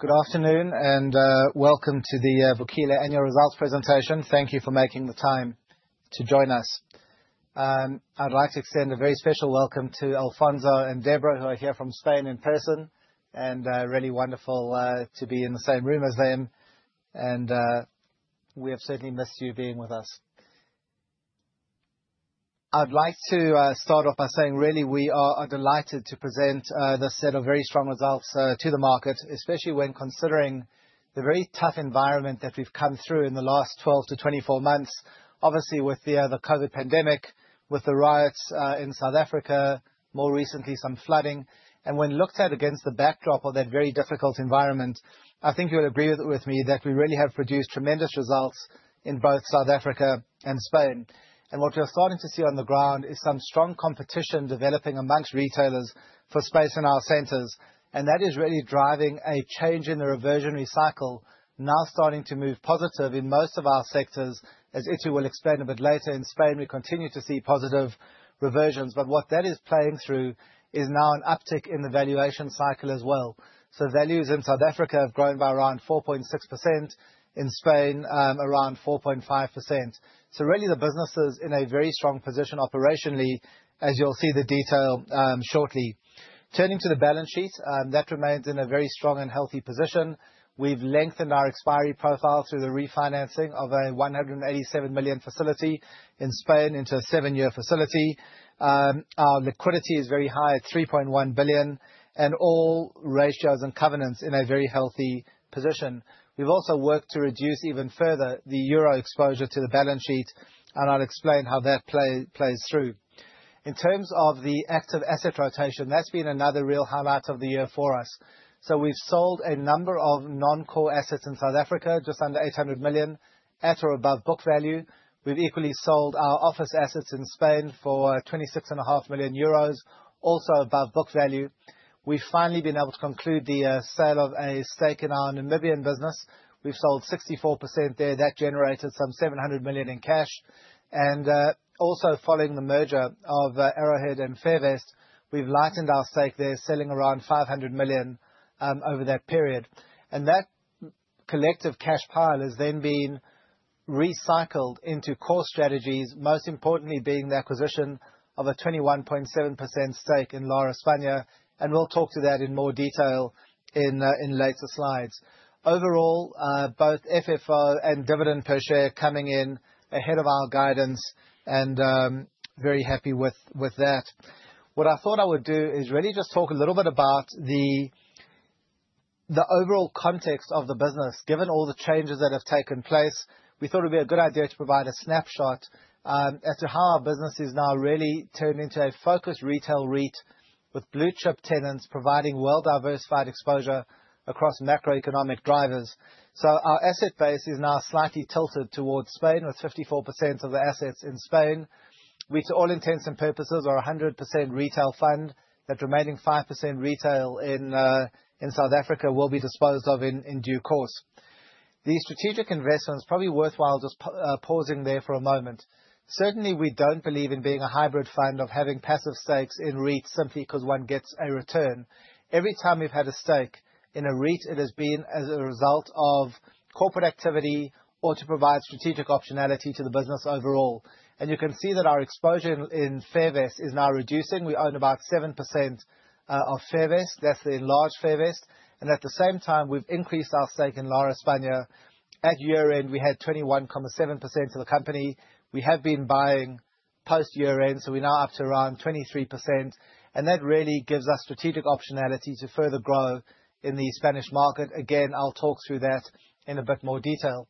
Good afternoon, welcome to the Vukile Annual Results presentation. Thank you for making the time to join us. I'd like to extend a very special welcome to Alfonso and Debra who are here from Spain in person, really wonderful to be in the same room as them. We have certainly missed you being with us. I'd like to start off by saying really we are delighted to present this set of very strong results to the market, especially when considering the very tough environment that we've come through in the last 12-24 months. Obviously, with the COVID pandemic, with the riots in South Africa, more recently, some flooding. When looked at against the backdrop of that very difficult environment, I think you'll agree with me that we really have produced tremendous results in both South Africa and Spain. What we're starting to see on the ground is some strong competition developing amongst retailers for space in our centers. That is really driving a change in the reversionary cycle now starting to move positive in most of our sectors, as Itiu will explain a bit later in Spain, we continue to see positive reversions. What that is playing through is now an uptick in the valuation cycle as well. Values in South Africa have grown by around 4.6%, in Spain, around 4.5%. Really the business is in a very strong position operationally, as you'll see the detail shortly. Turning to the balance sheet, that remains in a very strong and healthy position. We've lengthened our expiry profile through the refinancing of a 187 million facility in Spain into a 7-year facility. Our liquidity is very high at 3.1 billion, and all ratios and covenants in a very healthy position. We've also worked to reduce even further the EUR exposure to the balance sheet. I'll explain how that plays through. In terms of the active asset rotation, that's been another real highlight of the year for us. We've sold a number of non-core assets in South Africa, just under 800 million, at or above book value. We've equally sold our office assets in Spain for 26 and a half million, also above book value. We've finally been able to conclude the sale of a stake in our Namibian business. We've sold 64% there. That generated some 700 million in cash. Also following the merger of Arrowhead and Fairvest, we've lightened our stake there, selling around 500 million over that period. That collective cash pile has then been recycled into core strategies, most importantly being the acquisition of a 21.7% stake in Lar España, and we'll talk to that in more detail in later slides. Overall, both FFO and dividend per share coming in ahead of our guidance and very happy with that. What I thought I would do is really just talk a little bit about the overall context of the business. Given all the changes that have taken place, we thought it'd be a good idea to provide a snapshot as to how our business is now really turned into a focused retail REIT with blue-chip tenants providing well-diversified exposure across macroeconomic drivers. Our asset base is now slightly tilted towards Spain, with 54% of the assets in Spain. We, to all intents and purposes, are a 100% retail fund. That remaining 5% retail in South Africa will be disposed of in due course. These strategic investments, probably worthwhile just pausing there for a moment. Certainly, we don't believe in being a hybrid fund of having passive stakes in REITs simply 'cause one gets a return. Every time we've had a stake in a REIT, it has been as a result of corporate activity or to provide strategic optionality to the business overall. You can see that our exposure in Fairvest is now reducing. We own about 7% of Fairvest. That's the enlarged Fairvest. At the same time, we've increased our stake in Lar España. At year-end, we had 21.7% of the company. We have been buying post year-end, so we're now up to around 23%, and that really gives us strategic optionality to further grow in the Spanish market. Again, I'll talk through that in a bit more detail.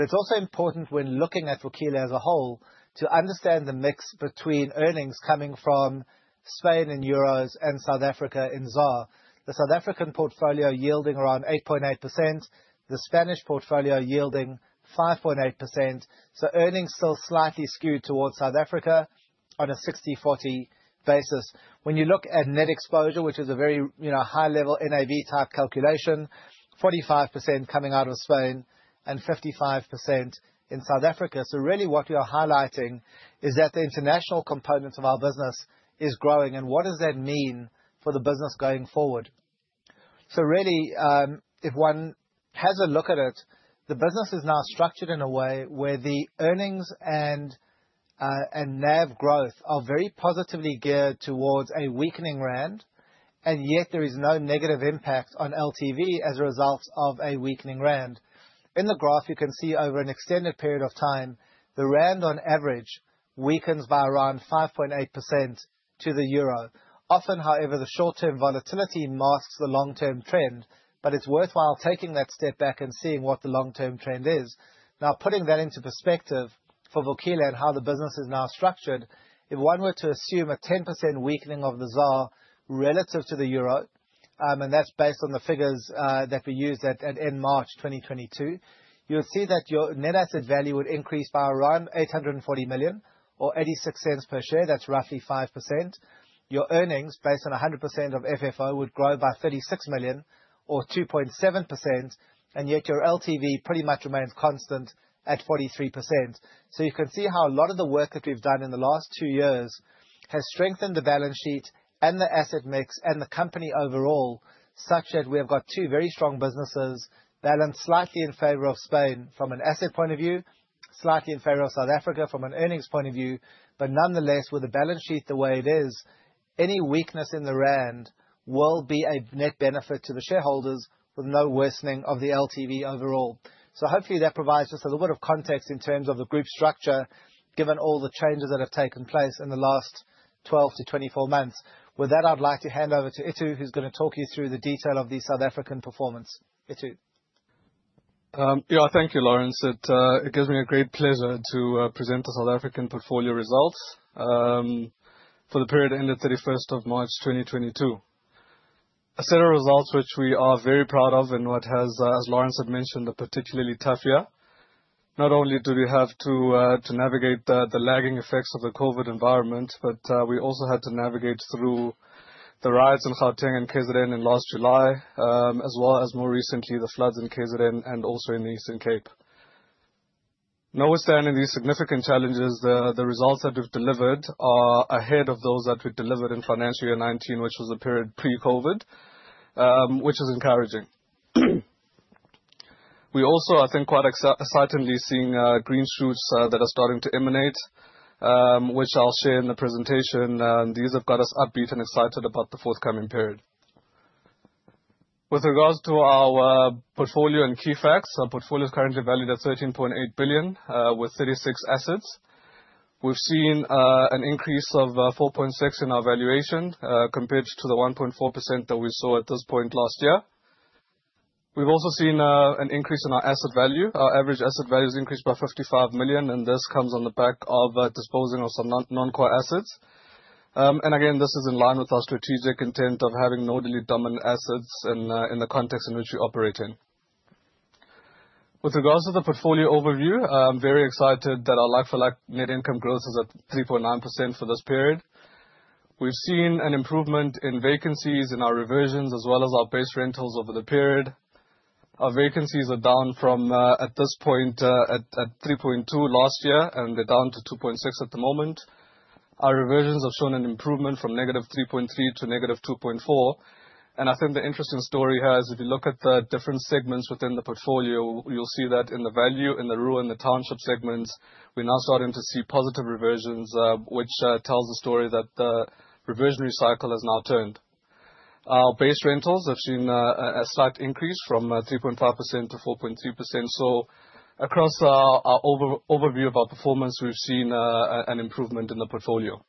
It's also important when looking at Vukile as a whole, to understand the mix between earnings coming from Spain in EUR and South Africa in ZAR. The South African portfolio yielding around 8.8%, the Spanish portfolio yielding 5.8%. Earnings still slightly skewed towards South Africa on a 60/40 basis. When you look at net exposure, which is a very, you know, high-level NAV type calculation, 45% coming out of Spain and 55% in South Africa. Really what we are highlighting is that the international components of our business is growing, and what does that mean for the business going forward? Really, if one has a look at it, the business is now structured in a way where the earnings and NAV growth are very positively geared towards a weakening rand, and yet there is no negative impact on LTV as a result of a weakening rand. In the graph, you can see over an extended period of time, the rand on average weakens by around 5.8% to the euro. Often, however, the short-term volatility masks the long-term trend, but it's worthwhile taking that step back and seeing what the long-term trend is. Now, putting that into perspective for Vukile and how the business is now structured, if one were to assume a 10% weakening of the ZAR relative to the euro, and that's based on the figures that we used at end March 2022, you would see that your net asset value would increase by around 840 million or 0.86 per share. That's roughly 5%. Your earnings, based on 100% of FFO, would grow by 36 million or 2.7%, and yet your LTV pretty much remains constant at 43%. You can see how a lot of the work that we've done in the last two years has strengthened the balance sheet and the asset mix and the company overall, such that we have got two very strong businesses balanced slightly in favor of Spain from an asset point of view. Slightly in favor of South Africa from an earnings point of view, but nonetheless, with the balance sheet the way it is, any weakness in the rand will be a net benefit to the shareholders with no worsening of the LTV overall. Hopefully that provides just a little bit of context in terms of the group structure, given all the changes that have taken place in the last 12 to 24 months. With that, I'd like to hand over to Itumeleng, who's going to talk you through the detail of the South African performance. Itumeleng. Yeah. Thank you, Laurence. It gives me a great pleasure to present the South African portfolio results for the period ending 31st of March, 2022. A set of results which we are very proud of, what has as Laurence had mentioned, a particularly tough year. Not only do we have to navigate the lagging effects of the COVID environment, we also had to navigate through the riots in Gauteng and KwaZulu-Natal in last July, as well as more recently, the floods in KwaZulu-Natal and also in the Eastern Cape. Notwithstanding these significant challenges, the results that we've delivered are ahead of those that we delivered in financial year 19, which was the period pre-COVID, which is encouraging. We also, I think, quite excitingly seeing green shoots that are starting to emanate, which I'll share in the presentation. These have got us upbeat and excited about the forthcoming period. With regards to our portfolio and key facts, our portfolio is currently valued at 13.8 billion with 36 assets. We've seen an increase of 4.6% in our valuation compared to the 1.4% that we saw at this point last year. We've also seen an increase in our asset value. Our average asset value has increased by 55 million. This comes on the back of disposing of some non-core assets. Again, this is in line with our strategic intent of having notably dominant assets in the context in which we operate in. With regards to the portfolio overview, I'm very excited that our like-for-like net income growth is at 3.9% for this period. We've seen an improvement in vacancies in our reversions, as well as our base rentals over the period. Our vacancies are down from at this point 3.2 last year, and they're down to 2.6 at the moment. Our reversions have shown an improvement from -3.3 to -2.4, and I think the interesting story here is if you look at the different segments within the portfolio, you'll see that in the value, in the rural and the township segments, we're now starting to see positive reversions, which tells the story that the reversionary cycle has now turned. Our base rentals have seen a slight increase from 3.5% to 4.2%. Across our overview of our performance, we've seen an improvement in the portfolio.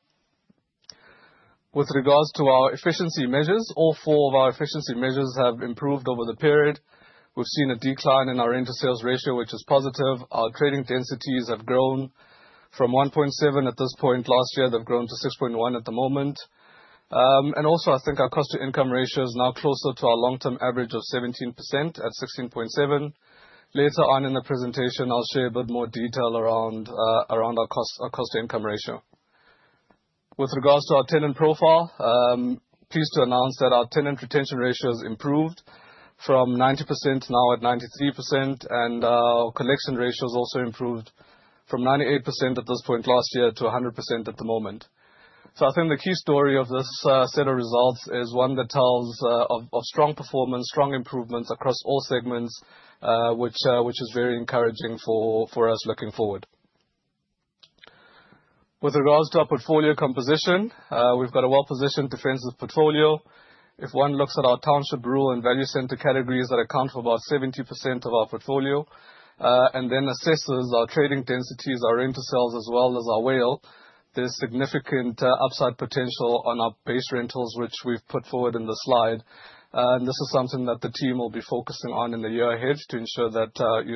With regards to our efficiency measures, all four of our efficiency measures have improved over the period. We've seen a decline in our rent to sales ratio, which is positive. Our trading densities have grown from 1.7 at this point last year, they've grown to 6.1 at the moment. I think our cost to income ratio is now closer to our long-term average of 17%, at 16.7%. Later on in the presentation, I'll share a bit more detail around our cost to income ratio. With regards to our tenant profile, pleased to announce that our tenant retention ratio has improved from 90%, now at 93%, and our collection ratio has also improved from 98% at this point last year to 100% at the moment. I think the key story of this set of results is one that tells of strong performance, strong improvements across all segments, which is very encouraging for us looking forward. With regards to our portfolio composition, we've got a well-positioned defensive portfolio. If one looks at our township, rural, and value center categories that account for about 70% of our portfolio, and then assesses our trading densities, our rent to sales, as well as our WALE, there's significant upside potential on our base rentals, which we've put forward in the slide. This is something that the team will be focusing on in the year ahead to ensure that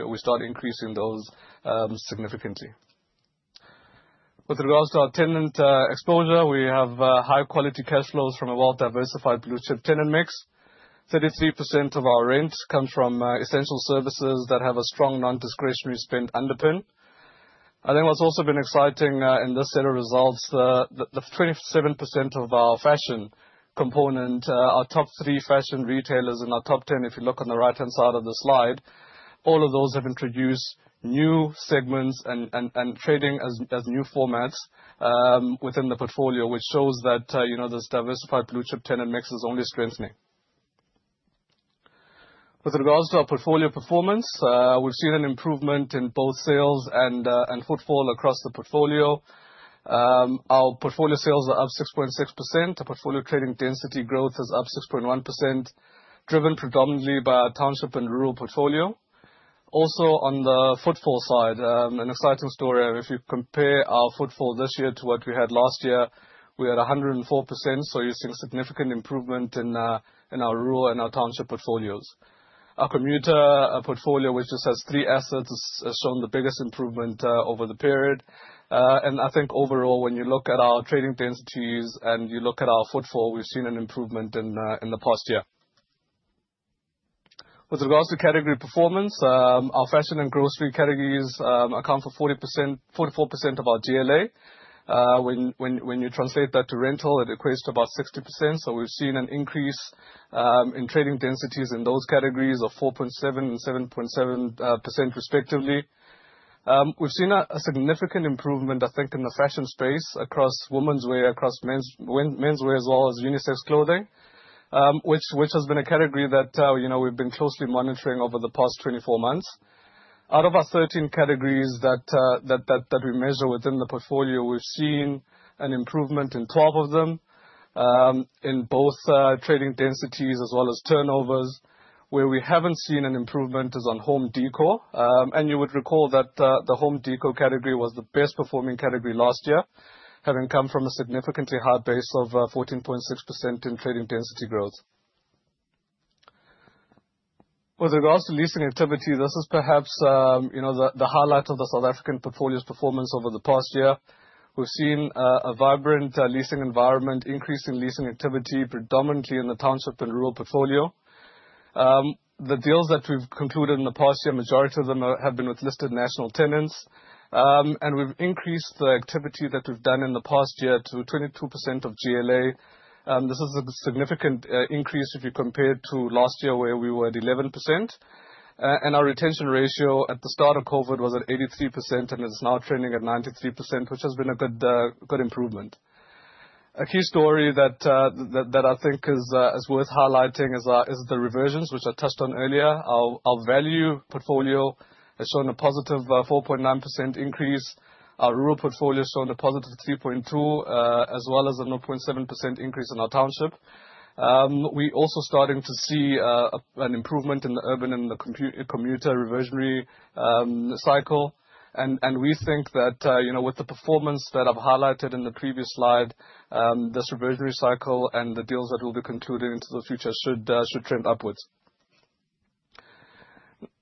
we start increasing those significantly. With regards to our tenant exposure, we have high quality cash flows from a well-diversified blue chip tenant mix. 33% of our rent comes from essential services that have a strong non-discretionary spend underpin. I think what's also been exciting in this set of results, the 27% of our fashion component, our top 3 fashion retailers in our top 10, if you look on the right-hand side of the slide, all of those have introduced new segments and trading as new formats within the portfolio, which shows that, you know, this diversified blue chip tenant mix is only strengthening. With regards to our portfolio performance, we've seen an improvement in both sales and footfall across the portfolio. Our portfolio sales are up 6.6%. Our portfolio trading density growth is up 6.1%, driven predominantly by our township and rural portfolio. Also, on the footfall side, an exciting story. If you compare our footfall this year to what we had last year, we are at 104%, so you're seeing significant improvement in our rural and our township portfolios. Our commuter portfolio, which just has three assets, has shown the biggest improvement over the period. I think overall, when you look at our trading densities and you look at our footfall, we've seen an improvement in the past year. With regards to category performance, our fashion and grocery categories account for 40%, 44% of our GLA. When you translate that to rental, it equates to about 60%. We've seen an increase in trading densities in those categories of 4.7% and 7.7% respectively. We've seen a significant improvement, I think, in the fashion space across womenswear, across menswear, as well as unisex clothing, which has been a category that, you know, we've been closely monitoring over the past 24 months. Out of our 13 categories that we measure within the portfolio, we've seen an improvement in 12 of them, in both trading densities as well as turnovers. Where we haven't seen an improvement is on home decor. You would recall that the home decor category was the best performing category last year, having come from a significantly high base of 14.6% in trading density growth. With regards to leasing activity, this is perhaps, you know, the highlight of the South African portfolio's performance over the past year. We've seen a vibrant leasing environment, increase in leasing activity, predominantly in the township and rural portfolio. The deals that we've concluded in the past year, majority of them have been with listed national tenants. We've increased the activity that we've done in the past year to 22% of GLA. This is a significant increase if you compare it to last year where we were at 11%. Our retention ratio at the start of COVID was at 83% and is now trending at 93%, which has been a good improvement. A key story that I think is worth highlighting is the reversions, which I touched on earlier. Our value portfolio has shown a positive 4.9% increase. Our rural portfolio has shown a positive 3.2%, as well as a 0.7% increase in our township. We're also starting to see an improvement in the urban and the commuter reversionary cycle. We think that, you know, with the performance that I've highlighted in the previous slide, this reversionary cycle and the deals that we'll be concluding into the future should trend upwards.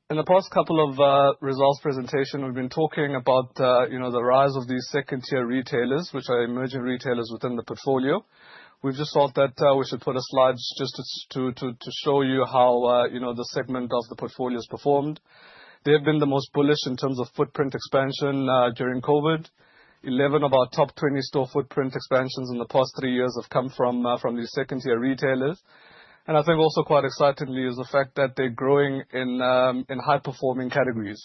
In the past couple of results presentation, we've been talking about, you know, the rise of these second-tier retailers, which are emerging retailers within the portfolio. We just thought that we should put a slide just to show you how, you know, the segment of the portfolio has performed. They have been the most bullish in terms of footprint expansion during COVID. 11 of our top 20 store footprint expansions in the past 3 years have come from these second-tier retailers. I think also quite excitedly is the fact that they're growing in high-performing categories.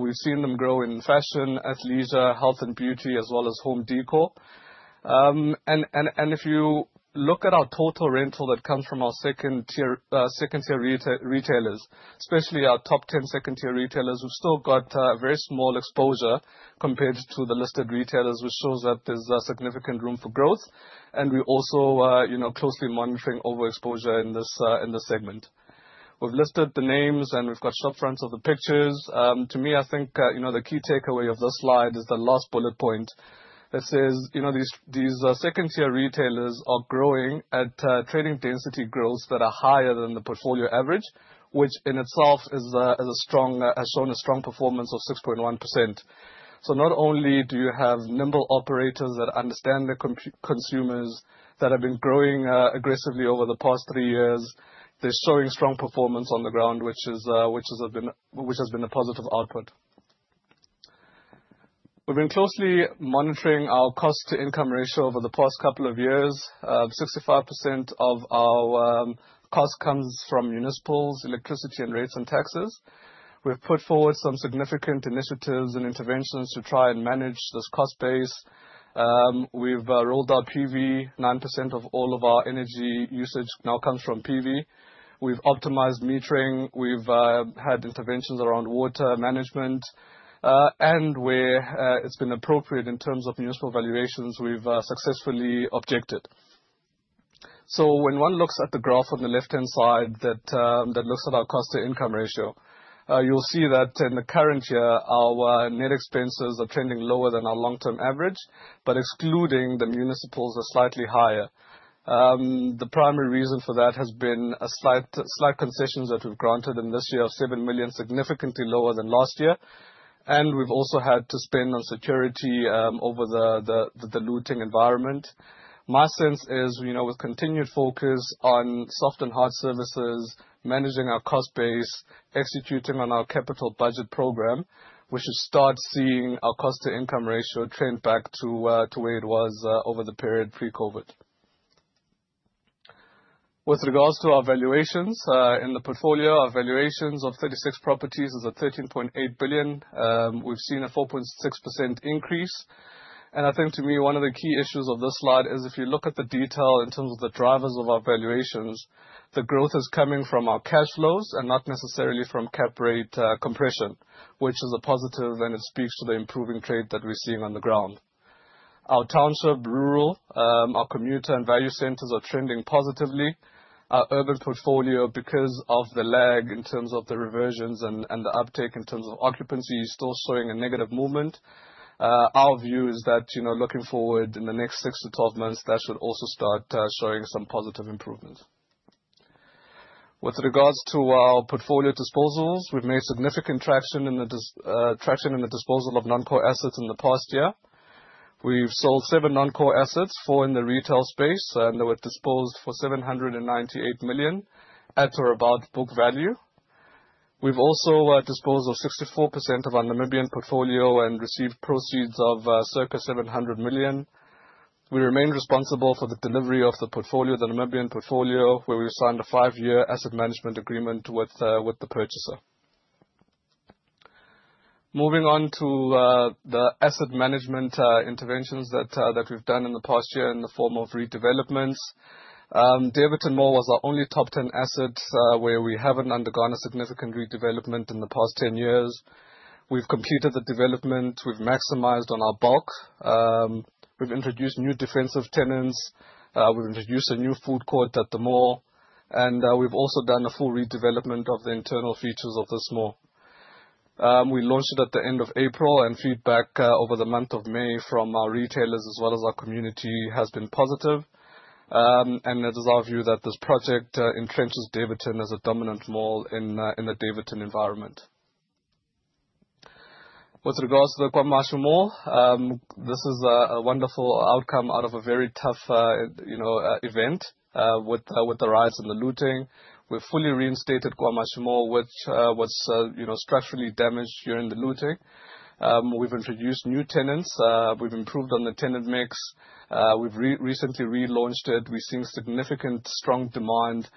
We've seen them grow in fashion, athleisure, health and beauty, as well as home decor. If you look at our total rental that comes from our second-tier retailers, especially our top 10 second-tier retailers, we've still got a very small exposure compared to the listed retailers, which shows that there's significant room for growth. We're also, you know, closely monitoring overexposure in this segment. We've listed the names, and we've got storefronts of the pictures. To me, I think, you know, the key takeaway of this slide is the last bullet point that says, you know, these second-tier retailers are growing at trading density growths that are higher than the portfolio average, which in itself is a strong, has shown a strong performance of 6.1%. Not only do you have nimble operators that understand their consumers that have been growing aggressively over the past 3 years, they're showing strong performance on the ground, which has been a positive output. We've been closely monitoring our cost-to-income ratio over the past 2 years. 65% of our cost comes from municipals, electricity, and rates and taxes. We've put forward some significant initiatives and interventions to try and manage this cost base. We've rolled out PV. 9% of all of our energy usage now comes from PV. We've optimized metering. We've had interventions around water management. Where it's been appropriate in terms of municipal valuations, we've successfully objected. When one looks at the graph on the left-hand side that looks at our cost-to-income ratio, you'll see that in the current year, our net expenses are trending lower than our long-term average, but excluding the municipals are slightly higher. The primary reason for that has been a slight concessions that we've granted in this year of 7 million, significantly lower than last year. We've also had to spend on security over the looting environment. My sense is, you know, with continued focus on soft and hard services, managing our cost base, executing on our capital budget program, we should start seeing our cost-to-income ratio trend back to where it was over the period pre-COVID. With regards to our valuations in the portfolio, our valuations of 36 properties is at 13.8 billion. We've seen a 4.6% increase. I think to me, one of the key issues of this slide is if you look at the detail in terms of the drivers of our valuations, the growth is coming from our cash flows and not necessarily from cap rate compression, which is a positive, and it speaks to the improving trade that we're seeing on the ground. Our township, rural, our commuter and value centers are trending positively. Our urban portfolio, because of the lag in terms of the reversions and the uptake in terms of occupancy, is still showing a negative movement. Our view is that, you know, looking forward in the next 6-12 months, that should also start showing some positive improvement. With regards to our portfolio disposals, we've made significant traction in the disposal of non-core assets in the past year. We've sold seven non-core assets, four in the retail space. They were disposed for 798 million at or about book value. We've also disposed of 64% of our Namibian portfolio and received proceeds of circa 700 million. We remain responsible for the delivery of the portfolio, the Namibian portfolio, where we've signed a five-year asset management agreement with the purchaser. Moving on to the asset management interventions that we've done in the past year in the form of redevelopments. Daveyton Mall was our only top 10 asset where we haven't undergone a significant redevelopment in the past 10 years. We've completed the development. We've maximized on our bulk. We've introduced new defensive tenants. We've introduced a new food court at the mall, and we've also done a full redevelopment of the internal features of this mall. We launched it at the end of April, and feedback over the month of May from our retailers as well as our community has been positive. It is our view that this project entrenches Daveyton as a dominant mall in the Daveyton environment. With regards to the KwaMashu Mall, this is a wonderful outcome out of a very tough, you know, event with the rise in the looting. We've fully reinstated KwaMashu Mall, which was, you know, structurally damaged during the looting. We've introduced new tenants. We've improved on the tenant mix. We've recently relaunched it. We've seen significant strong demand,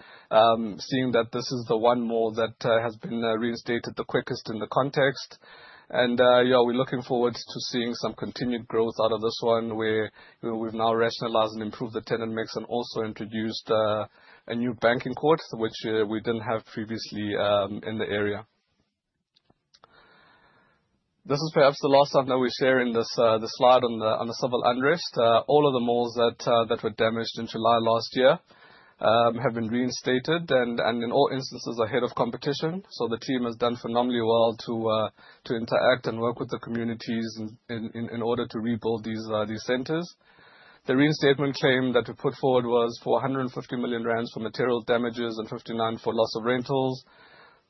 seeing that this is the one mall that has been reinstated the quickest in the context. Yeah, we're looking forward to seeing some continued growth out of this one, where we've now rationalized and improved the tenant mix and also introduced a new banking court, which we didn't have previously in the area. This is perhaps the last time that we're sharing this slide on the civil unrest. All of the malls that were damaged in July last year have been reinstated and in all instances ahead of competition. The team has done phenomenally well to interact and work with the communities in order to rebuild these centers. The reinstatement claim that we put forward was for 150 million rand for material damages and 59 million for loss of rentals.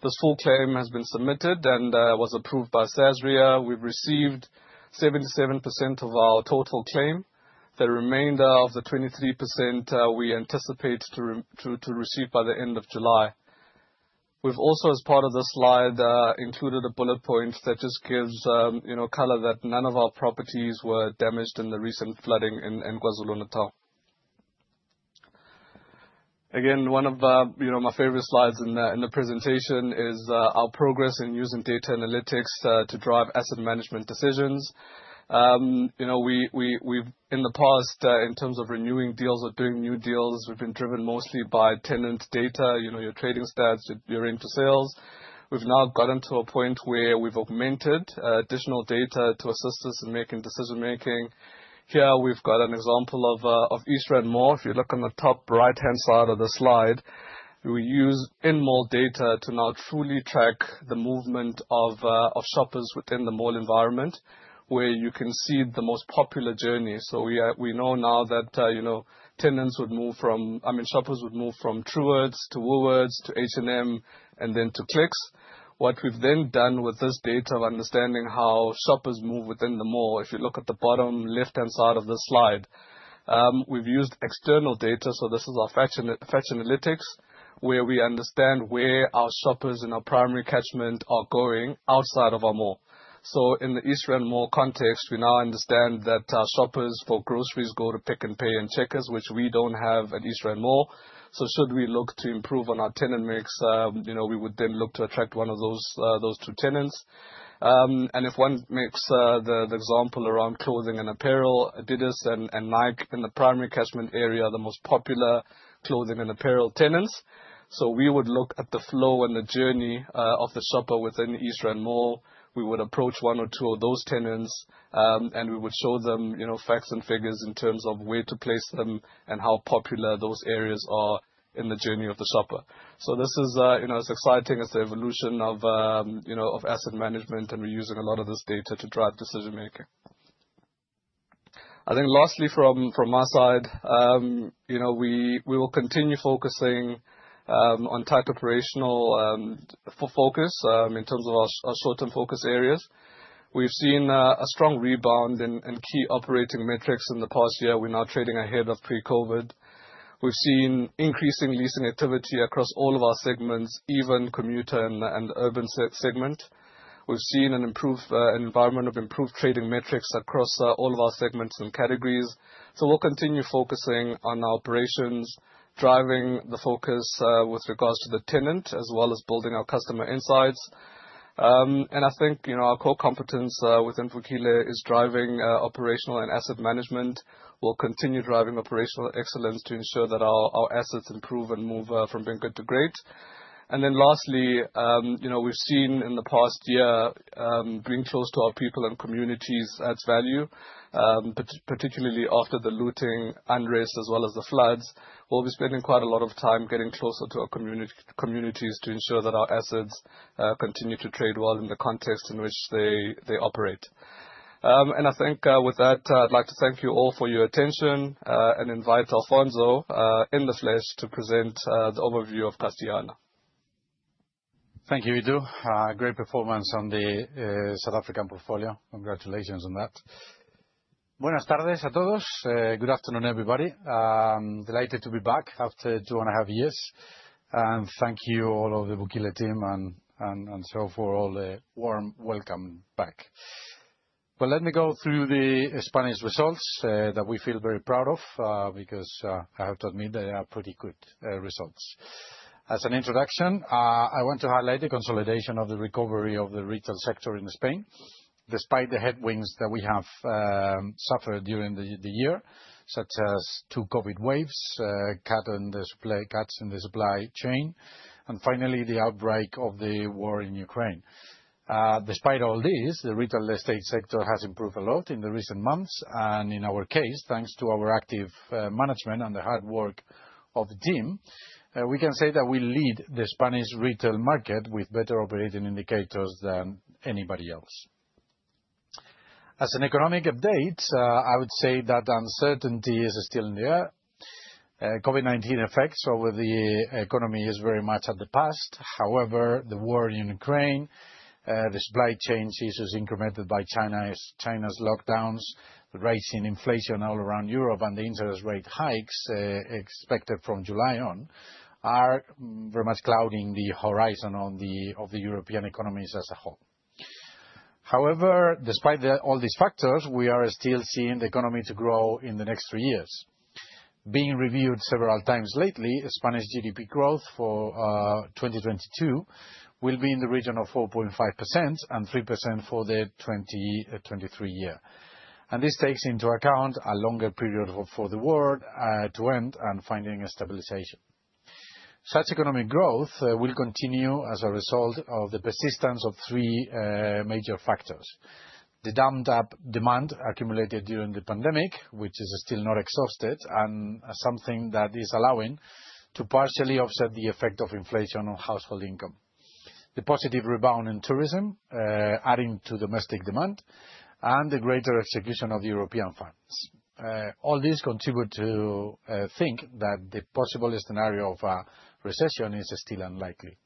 This full claim has been submitted and was approved by Sasria. We've received 77% of our total claim. The remainder of the 23%, we anticipate to receive by the end of July. We've also, as part of this slide, included a bullet point that just gives, you know, color that none of our properties were damaged in the recent flooding in KwaZulu-Natal. One of, you know, my favorite slides in the presentation is our progress in using data analytics to drive asset management decisions. You know, we've in the past, in terms of renewing deals or doing new deals, we've been driven mostly by tenant data, you know, your trading stats, your inter sales. We've now gotten to a point where we've augmented additional data to assist us in making decision-making. Here we've got an example of East Rand Mall. If you look on the top right-hand side of the slide, we use in-mall data to now fully track the movement of shoppers within the mall environment, where you can see the most popular journey. We know now that, you know, tenants would move from... I mean, shoppers would move from Truworths to Woolworths to H&M and then to Clicks. What we've then done with this data of understanding how shoppers move within the mall, if you look at the bottom left-hand side of this slide, we've used external data. This is our fashion analytics, where we understand where our shoppers in our primary catchment are going outside of our mall. In the East Rand Mall context, we now understand that our shoppers for groceries go to Pick n Pay and Checkers, which we don't have at East Rand Mall. Should we look to improve on our tenant mix, you know, we would then look to attract one of those two tenants. If one makes the example around clothing and apparel, Adidas and Nike in the primary catchment area are the most popular clothing and apparel tenants. We would look at the flow and the journey of the shopper within East Rand Mall. We would approach 1 or 2 of those tenants, and we would show them, you know, facts and figures in terms of where to place them and how popular those areas are in the journey of the shopper. This is, you know, as exciting as the evolution of, you know, of asset management, and we're using a lot of this data to drive decision-making. I think lastly from my side, you know, we will continue focusing on tight operational focus in terms of our short-term focus areas. We've seen a strong rebound in key operating metrics in the past year. We're now trading ahead of pre-COVID. We've seen increasing leasing activity across all of our segments, even commuter and urban segment. We've seen an improved environment of improved trading metrics across all of our segments and categories. We'll continue focusing on our operations, driving the focus with regards to the tenant, as well as building our customer insights. I think, you know, our core competence within Vukile is driving operational and asset management. We'll continue driving operational excellence to ensure that our assets improve and move from being good to great. Lastly, you know, we've seen in the past year, being close to our people and communities adds value, particularly after the looting unrest as well as the floods. We'll be spending quite a lot of time getting closer to our communities to ensure that our assets continue to trade well in the context in which they operate. I think with that, I'd like to thank you all for your attention and invite Alfonso in the flesh to present the overview of Castellana. Thank you, Itu. Great performance on the South African portfolio. Congratulations on that. Good afternoon, everybody. I'm delighted to be back after 2 and a half years, and thank you all of the Vukile team and so for all the warm welcome back. Let me go through the Spanish results that we feel very proud of because I have to admit, they are pretty good results. As an introduction, I want to highlight the consolidation of the recovery of the retail sector in Spain, despite the headwinds that we have suffered during the year, such as 2 COVID waves, cuts in the supply chain, and finally, the outbreak of the war in Ukraine. Uh, despite all this, the real estate sector has improved a lot in the recent months, and in our case, thanks to our active, uh, management and the hard work of the team, uh, we can say that we lead the Spanish retail market with better operating indicators than anybody else. As an economic update, uh, I would say that uncertainty is still in the air. Uh, COVID-19 effects over the economy is very much of the pas Being reviewed several times lately, Spanish GDP growth for 2022 will be in the region of 4.5% and 3% for the 2023 year. This takes into account a longer period for the war to end and finding a stabilization. Such economic growth will continue as a result of the persistence of 3 major factors. The dammed up demand accumulated during the pandemic, which is still not exhausted and something that is allowing to partially offset the effect of inflation on household income. The positive rebound in tourism, adding to domestic demand and the greater execution of the European funds. All this contribute to think that the possible scenario of recession is still unlikely.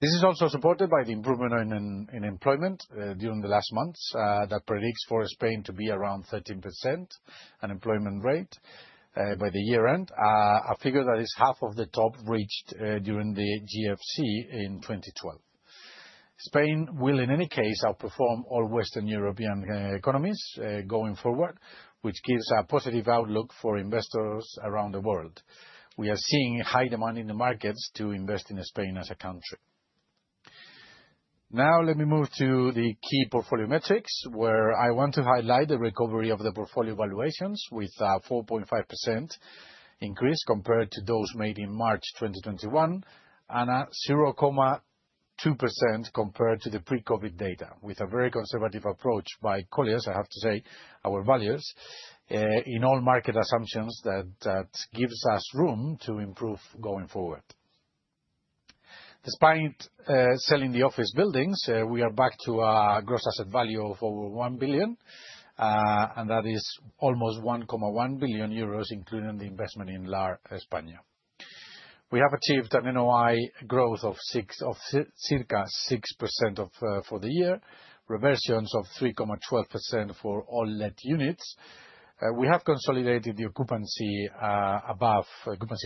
This is also supported by the improvement in employment, during the last months, that predicts for Spain to be around 13% unemployment rate, by the year-end. A figure that is half of the top reached, during the GFC in 2012. Spain will, in any case, outperform all Western European economies, going forward, which gives a positive outlook for investors around the world. We are seeing high demand in the markets to invest in Spain as a country. Let me move to the key portfolio metrics, where I want to highlight the recovery of the portfolio valuations with a 4.5% increase compared to those made in March 2021, and at 0.2% compared to the pre-COVID data, with a very conservative approach by Colliers, I have to say, our values in all market assumptions, that gives us room to improve going forward. Despite selling the office buildings, we are back to our gross asset value of over 1 billion, and that is almost 1.1 billion euros, including the investment in Lar España. We have achieved an NOI growth of circa 6% for the year, reversions of 3.12% for all let units. We have consolidated the occupancy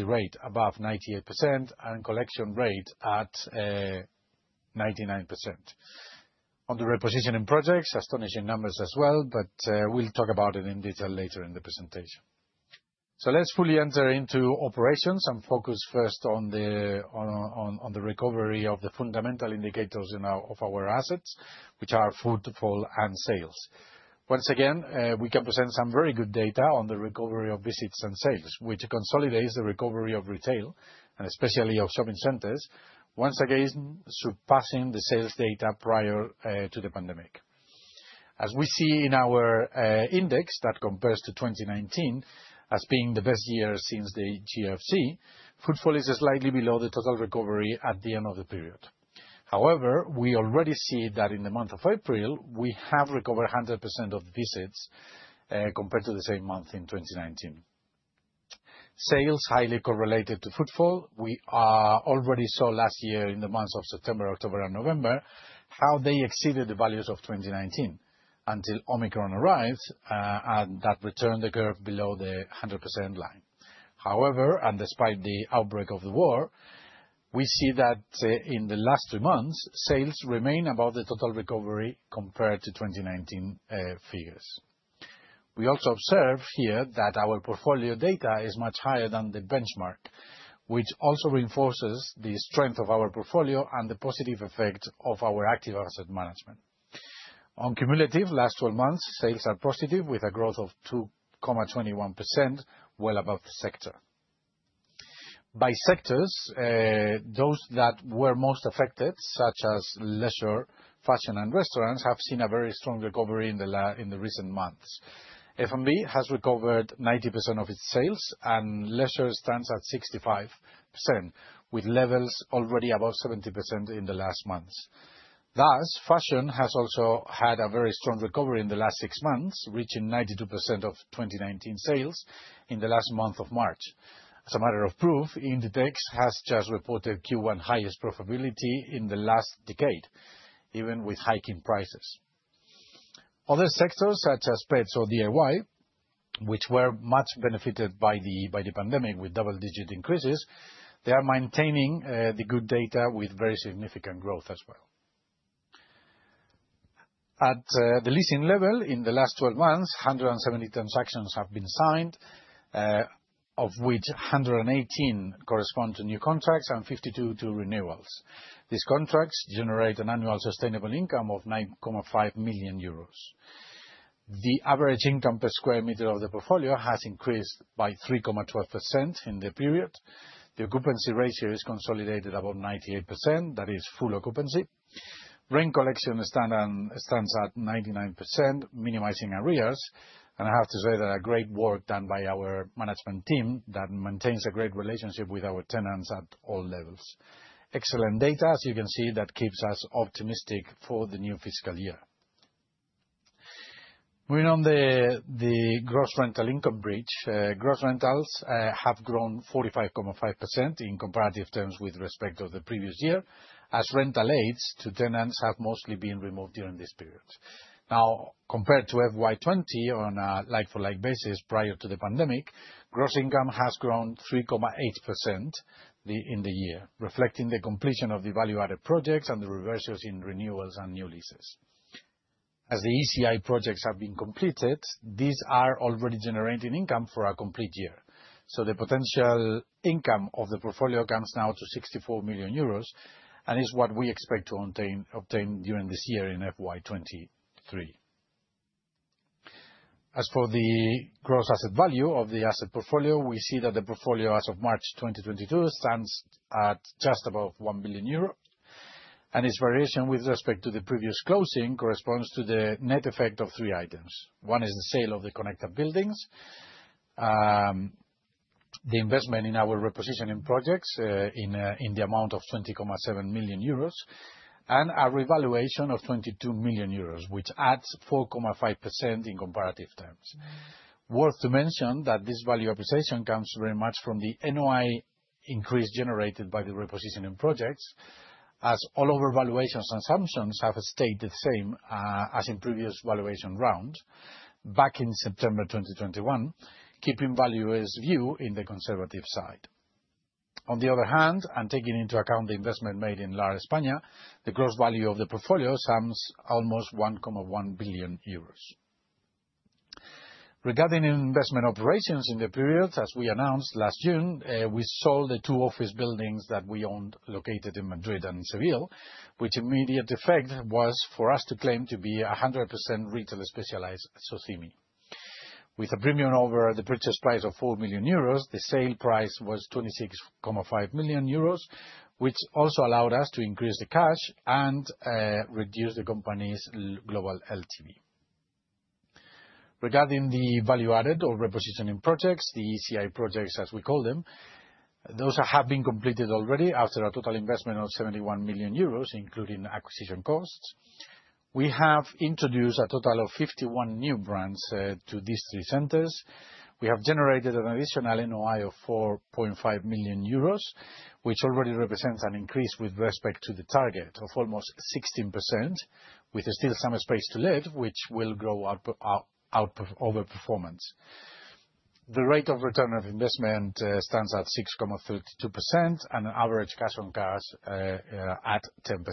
rate above 98%, and collection rate at 99%. On the repositioning projects, astonishing numbers as well, we'll talk about it in detail later in the presentation. Let's fully enter into operations and focus first on the recovery of the fundamental indicators of our assets, which are footfall and sales. Once again, we can present some very good data on the recovery of visits and sales, which consolidates the recovery of retail, and especially of shopping centers, once again surpassing the sales data prior to the pandemic. As we see in our index that compares to 2019 as being the best year since the GFC, footfall is slightly below the total recovery at the end of the period. However, we already see that in the month of April, we have recovered 100% of visits compared to the same month in 2019. Sales highly correlated to footfall. We already saw last year in the months of September, October and November, how they exceeded the values of 2019 until Omicron arrived and that returned the curve below the 100% line. However, and despite the outbreak of the war, we see that in the last three months, sales remain above the total recovery compared to 2019 figures. We also observe here that our portfolio data is much higher than the benchmark, which also reinforces the strength of our portfolio and the positive effect of our active asset management. On cumulative last 12 months, sales are positive with a growth of 2.21%, well above the sector. By sectors, those that were most affected, such as leisure, fashion, and restaurants, have seen a very strong recovery in the recent months. F&B has recovered 90% of its sales, and leisure stands at 65%, with levels already above 70% in the last months. Thus, fashion has also had a very strong recovery in the last six months, reaching 92% of 2019 sales in the last month of March. As a matter of proof, Inditex has just reported Q1 highest profitability in the last decade, even with hiking prices. Other sectors, such as pets or DIY, which were much benefited by the pandemic with double-digit increases. They are maintaining the good data with very significant growth as well. At the leasing level, in the last 12 months, 170 transactions have been signed, of which 118 correspond to new contracts and 52 to renewals. These contracts generate an annual sustainable income of 9.5 million euros. The average income per square meter of the portfolio has increased by 3.12% in the period. The occupancy ratio is consolidated about 98%, that is full occupancy. Rent collection stands at 99%, minimizing arrears. I have to say that a great work done by our management team that maintains a great relationship with our tenants at all levels. Excellent data, as you can see, that keeps us optimistic for the new fiscal year. Moving on the gross rental income bridge. Gross rentals have grown 45.5% in comparative terms with respect of the previous year, as rental aids to tenants have mostly been removed during this period. Compared to FY 20, on a like-for-like basis prior to the pandemic, gross income has grown 3.8% in the year, reflecting the completion of the value-added projects and the reversals in renewals and new leases. The ECI projects have been completed, these are already generating income for a complete year. The potential income of the portfolio comes now to 64 million euros and is what we expect to obtain during this year in FY 23. The gross asset value of the asset portfolio, we see that the portfolio as of March 2022 stands at just above 1 billion euro. Its variation with respect to the previous closing corresponds to the net effect of three items. One is the sale of the Connecta buildings, the investment in our repositioning projects, in the amount of 20.7 million euros, and a revaluation of 22 million euros, which adds 4.5% in comparative terms. Worth to mention that this value appreciation comes very much from the NOI increase generated by the repositioning projects, as all of our valuations assumptions have stayed the same, as in previous valuation rounds back in September 2021, keeping value is view in the conservative side. On the other hand, taking into account the investment made in Lar España, the gross value of the portfolio sums almost 1.1 billion euros. Regarding investment operations in the period, as we announced last June, we sold the two office buildings that we owned located in Madrid and Seville, which immediate effect was for us to claim to be a 100% retail specialized SOCIMI. With a premium over the purchase price of 4 million euros, the sale price was 26.5 million euros, which also allowed us to increase the cash and reduce the company's global LTV. Regarding the value added or repositioning projects, the ECI projects as we call them, those have been completed already after a total investment of 71 million euros, including acquisition costs. We have introduced a total of 51 new brands to these three centers. We have generated an additional NOI of 4.5 million euros, which already represents an increase with respect to the target of almost 16%, with still some space to live, which will grow over performance. The rate of return of investment stands at 6.32% and average cash on cash at 10%.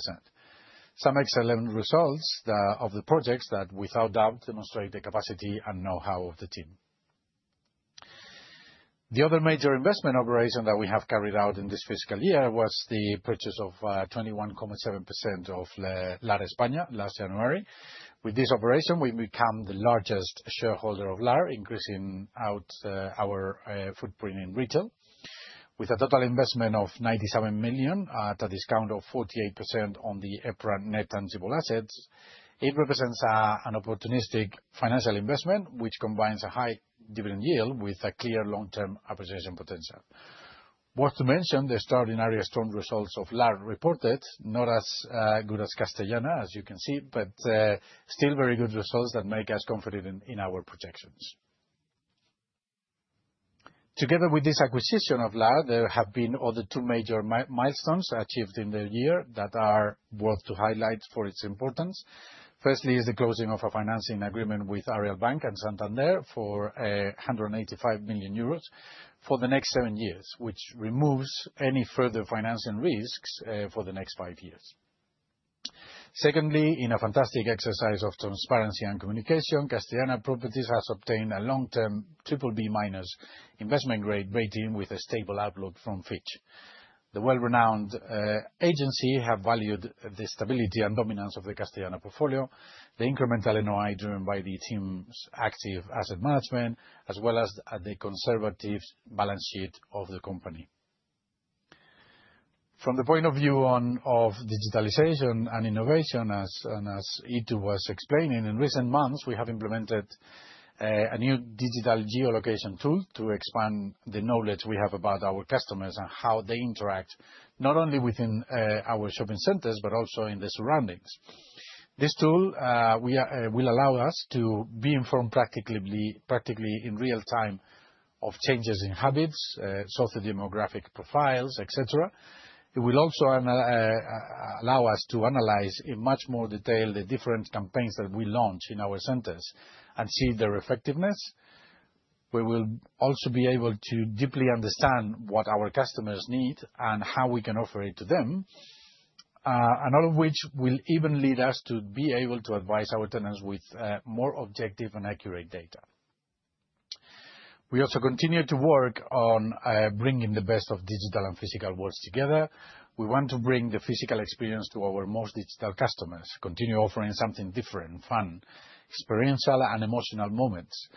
Some excellent results of the projects that without doubt demonstrate the capacity and know-how of the team. The other major investment operation that we have carried out in this fiscal year was the purchase of 21.7% of LAR España last January. With this operation, we become the largest shareholder of LAR, increasing our footprint in retail. With a total investment of 97 million at a discount of 48% on the EPRA net tangible assets, it represents an opportunistic financial investment which combines a high dividend yield with a clear long-term appreciation potential. Worth to mention the extraordinary strong results of LAR reported, not as good as Castellana, as you can see, but still very good results that make us confident in our projections. Together with this acquisition of LAR, there have been other two major milestones achieved in the year that are worth to highlight for its importance. Firstly, is the closing of a financing agreement with Aareal Bank and Santander for 185 million euros for the next seven years, which removes any further financing risks for the next five years. Secondly, in a fantastic exercise of transparency and communication, Castellana Properties has obtained a long-term BBB- investment grade rating with a stable outlook from Fitch. The well-renowned agency have valued the stability and dominance of the Castellana portfolio, the incremental NOI driven by the team's active asset management, as well as the conservative balance sheet of the company. From the point of view of digitalization and innovation, as Itu was explaining, in recent months, we have implemented a new digital geolocation tool to expand the knowledge we have about our customers and how they interact, not only within our shopping centers, but also in the surroundings. This tool will allow us to be informed practically in real time, of changes in habits, socio-demographic profiles, et cetera. It will also allow us to analyze in much more detail the different campaigns that we launch in our centers and see their effectiveness. We will also be able to deeply understand what our customers need and how we can offer it to them. All of which will even lead us to be able to advise our tenants with more objective and accurate data. We also continue to work on bringing the best of digital and physical worlds together. We want to bring the physical experience to our most digital customers, continue offering something different, fun, experiential, and emotional moments.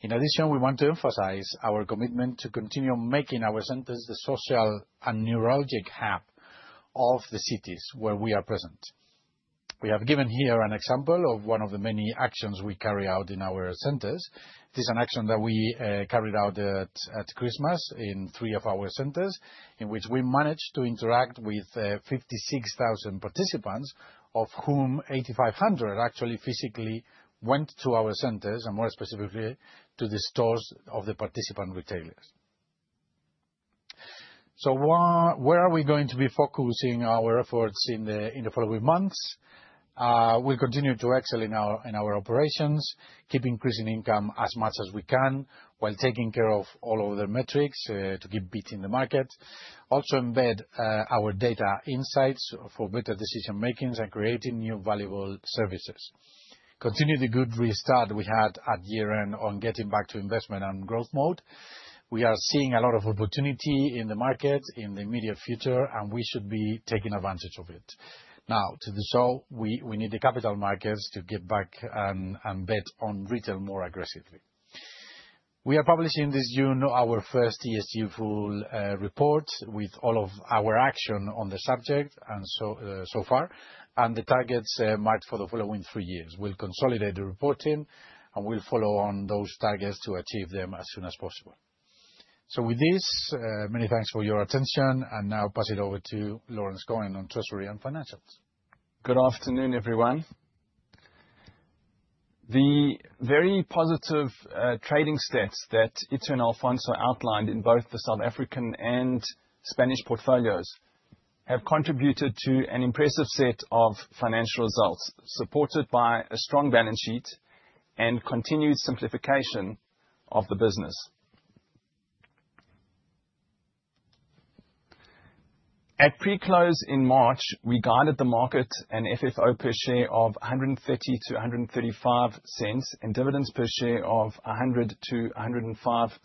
In addition, we want to emphasize our commitment to continue making our centers the social and neurologic hub of the cities where we are present. We have given here an example of one of the many actions we carry out in our centers. This is an action that we carried out at Christmas in 3 of our centers, in which we managed to interact with 56,000 participants, of whom 8,500 actually physically went to our centers and more specifically to the stores of the participant retailers. Where are we going to be focusing our efforts in the following months? We continue to excel in our operations, keep increasing income as much as we can, while taking care of all of the metrics to keep beating the market. Also embed our data insights for better decision-makings and creating new valuable services. Continue the good restart we had at year-end on getting back to investment and growth mode. We are seeing a lot of opportunity in the market in the immediate future, and we should be taking advantage of it. To do so, we need the capital markets to get back and bet on retail more aggressively. We are publishing this June our first ESG full report with all of our action on the subject, and so far, and the targets marked for the following three years. We'll consolidate the reporting, and we'll follow on those targets to achieve them as soon as possible. With this, many thanks for your attention, and now pass it over to Laurence Cohen on Treasury and Financials. Good afternoon, everyone. The very positive trading stats that Alfonso Brunet outlined in both the South African and Spanish portfolios have contributed to an impressive set of financial results, supported by a strong balance sheet and continued simplification of the business. At pre-close in March, we guided the market an FFO per share of 1.30-1.35 and dividends per share of 1.00-1.05.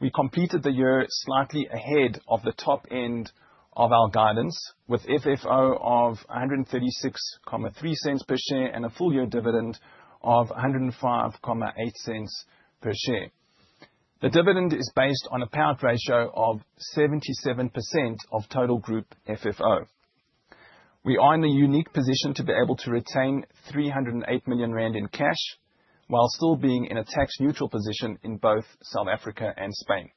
We completed the year slightly ahead of the top end of our guidance with FFO of 1.363 per share and a full year dividend of 1.058 per share. The dividend is based on a payout ratio of 77% of total group FFO. We are in a unique position to be able to retain 308 million rand in cash while still being in a tax-neutral position in both South Africa and Spain.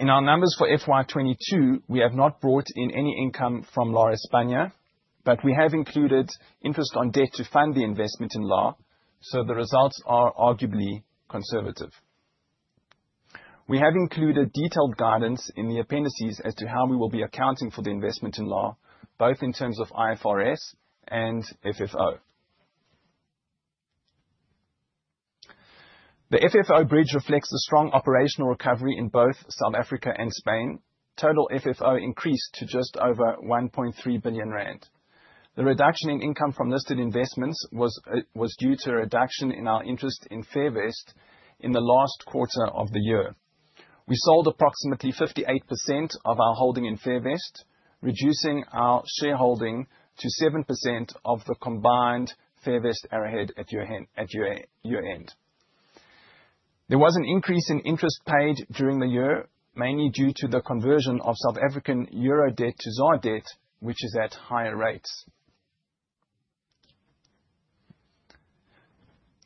In our numbers for FY22, we have not brought in any income from LAR España, but we have included interest on debt to fund the investment in LAR, so the results are arguably conservative. We have included detailed guidance in the appendices as to how we will be accounting for the investment in LAR, both in terms of IFRS and FFO. The FFO bridge reflects the strong operational recovery in both South Africa and Spain. Total FFO increased to just over 1.3 billion rand. The reduction in income from listed investments was due to a reduction in our interest in Fairvest in the last quarter of the year. We sold approximately 58% of our holding in Fairvest, reducing our shareholding to 7% of the combined Fairvest Arrowhead at year-end. There was an increase in interest paid during the year, mainly due to the conversion of South African Euro debt to ZAR debt, which is at higher rates.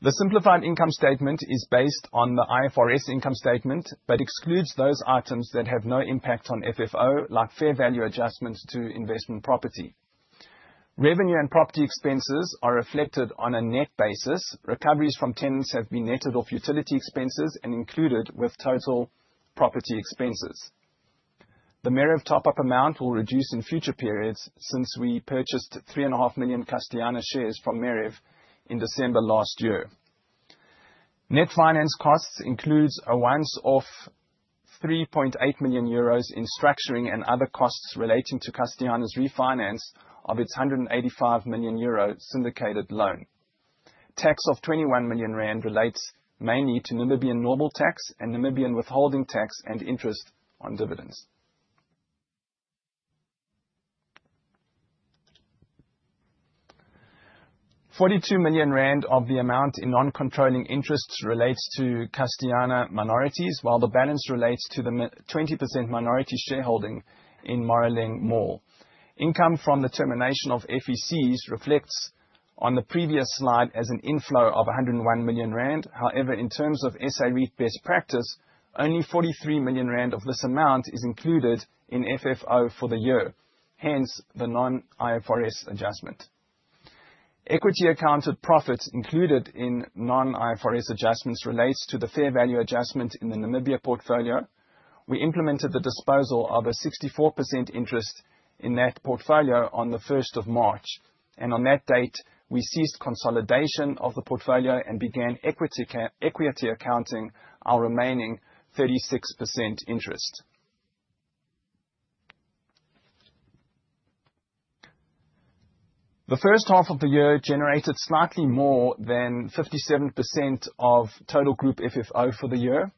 The simplified income statement is based on the IFRS income statement but excludes those items that have no impact on FFO, like fair value adjustments to investment property. Revenue and property expenses are reflected on a net basis. Recoveries from tenants have been netted off utility expenses and included with total property expenses. The MERV top-up amount will reduce in future periods since we purchased 3.5 million Castellana shares from MERV in December last year. Net finance costs includes a once-off 3.8 million euros in structuring and other costs relating to Castellana's refinance of its 185 million euro syndicated loan. Tax of 21 million rand relates mainly to Namibian normal tax and Namibian withholding tax and interest on dividends. 42 million rand of the amount in non-controlling interests relates to Castellana minorities, while the balance relates to the 20% minority shareholding in Moruleng Mall. Income from the termination of FECs reflects on the previous slide as an inflow of 101 million rand. However, in terms of SA REIT best practice, only 43 million rand of this amount is included in FFO for the year. Hence, the non-IFRS adjustment. Equity accounted profits included in non-IFRS adjustments relates to the fair value adjustment in the Namibia portfolio. We implemented the disposal of a 64% interest in that portfolio on the 1st of March. On that date, we ceased consolidation of the portfolio and began equity accounting our remaining 36% interest. The first half of the year generated slightly more than 57% of total group FFO for the year.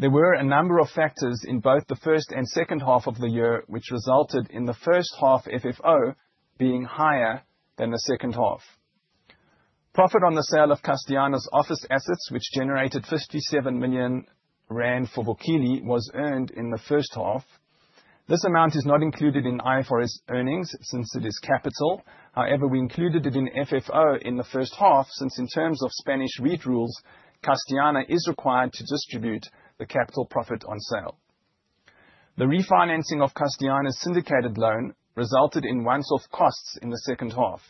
There were a number of factors in both the first and second half of the year, which resulted in the first half FFO being higher than the second half. Profit on the sale of Castellana's office assets, which generated 57 million rand for Vukile, was earned in the first half. This amount is not included in IFRS earnings since it is capital. We included it in FFO in the first half, since in terms of Spanish REIT rules, Castellana is required to distribute the capital profit on sale. The refinancing of Castellana's syndicated loan resulted in once-off costs in the second half.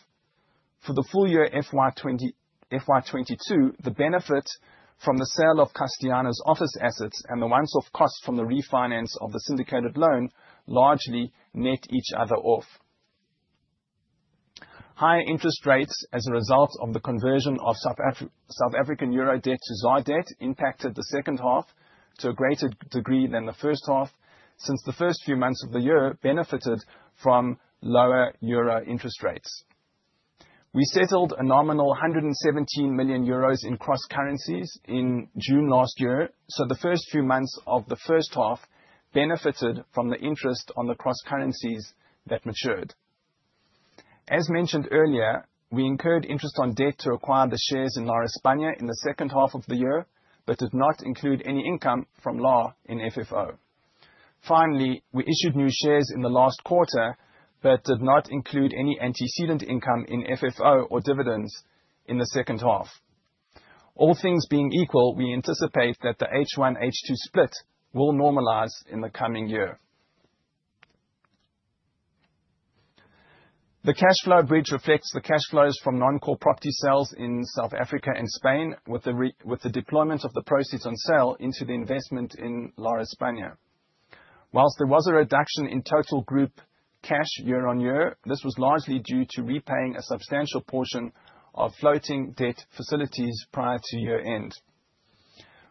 For the full year FY22, the benefit from the sale of Castellana's office assets and the once-off cost from the refinance of the syndicated loan largely net each other off. High interest rates as a result of the conversion of South African euro debt to ZAR debt impacted the second half to a greater degree than the first half, since the first few months of the year benefited from lower euro interest rates. We settled a nominal 117 million euros in cross currencies in June last year, so the first few months of the first half benefited from the interest on the cross currencies that matured. As mentioned earlier, we incurred interest on debt to acquire the shares in Lar España in the second half of the year, but did not include any income from Lar in FFO. Finally, we issued new shares in the last quarter, but did not include any antecedent income in FFO or dividends in the second half. All things being equal, we anticipate that the H1-H2 split will normalize in the coming year. The cash flow bridge reflects the cash flows from non-core property sales in South Africa and Spain with the deployment of the proceeds on sale into the investment in Lar España. While there was a reduction in total group cash year-on-year, this was largely due to repaying a substantial portion of floating debt facilities prior to year-end.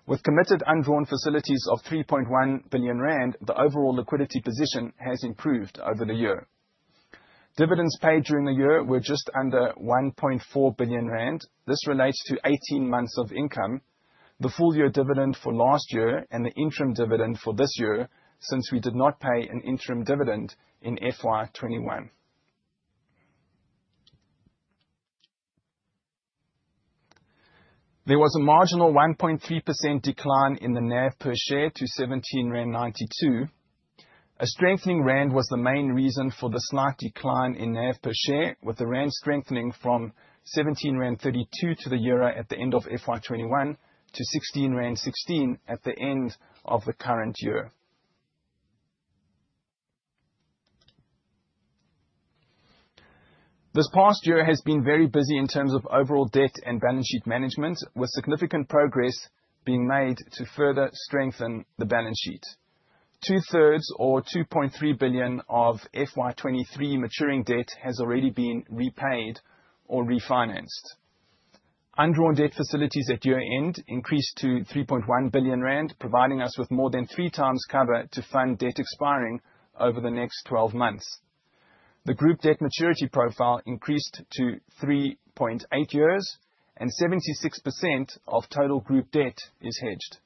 With committed undrawn facilities of 3.1 billion rand, the overall liquidity position has improved over the year. Dividends paid during the year were just under 1.4 billion rand. This relates to 18 months of income, the full year dividend for last year and the interim dividend for this year, since we did not pay an interim dividend in FY21. There was a marginal 1.3% decline in the NAV per share to 17.92. A strengthening rand was the main reason for the slight decline in NAV per share, with the rand strengthening from 17.32 rand to the EUR at the end of FY22 one to 16.16 rand at the end of the current year. This past year has been very busy in terms of overall debt and balance sheet management, with significant progress being made to further strengthen the balance sheet. Two-thirds or 2.3 billion of FY23 maturing debt has already been repaid or refinanced. Undrawn debt facilities at year-end increased to 3.1 billion rand, providing us with more than 3 times cover to fund debt expiring over the next 12 months. The group debt maturity profile increased to 3.8 years and 76% of total group debt is hedged.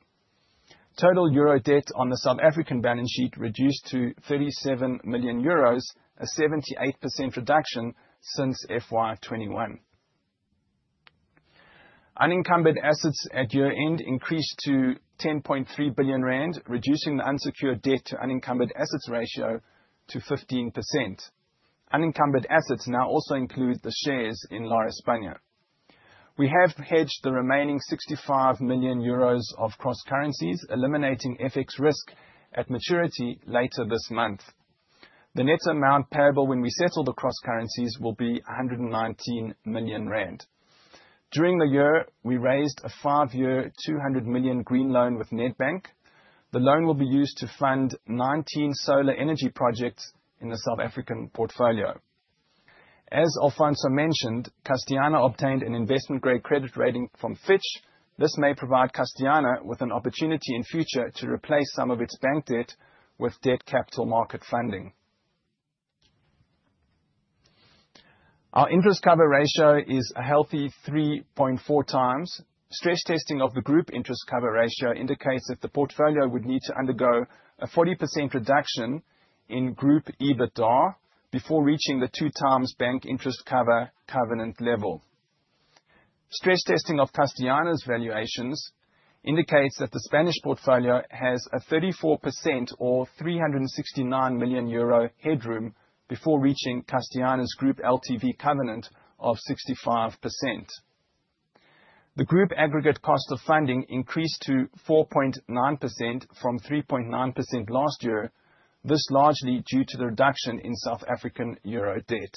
Total euro debt on the South African balance sheet reduced to 37 million euros, a 78% reduction since FY21. Unencumbered assets at year-end increased to 10.3 billion rand, reducing the unsecured debt to unencumbered assets ratio to 15%. Unencumbered assets now also include the shares in Lar España. We have hedged the remaining 65 million euros of cross currencies, eliminating FX risk at maturity later this month. The net amount payable when we settle the cross currencies will be 119 million rand. During the year, we raised a five-year, 200 million green loan with Nedbank. The loan will be used to fund 19 solar energy projects in the South African portfolio. As Alfonso mentioned, Castellana obtained an investment-grade credit rating from Fitch. This may provide Castellana with an opportunity in future to replace some of its bank debt with debt capital market funding. Our interest cover ratio is a healthy 3.4 times. Stress testing of the group interest cover ratio indicates that the portfolio would need to undergo a 40% reduction in group EBITDA before reaching the 2 times bank interest cover covenant level. Stress testing of Castellana's valuations indicates that the Spanish portfolio has a 34% or 369 million euro headroom before reaching Castellana's group LTV covenant of 65%. The group aggregate cost of funding increased to 4.9% from 3.9% last year. This largely due to the reduction in South African euro debt.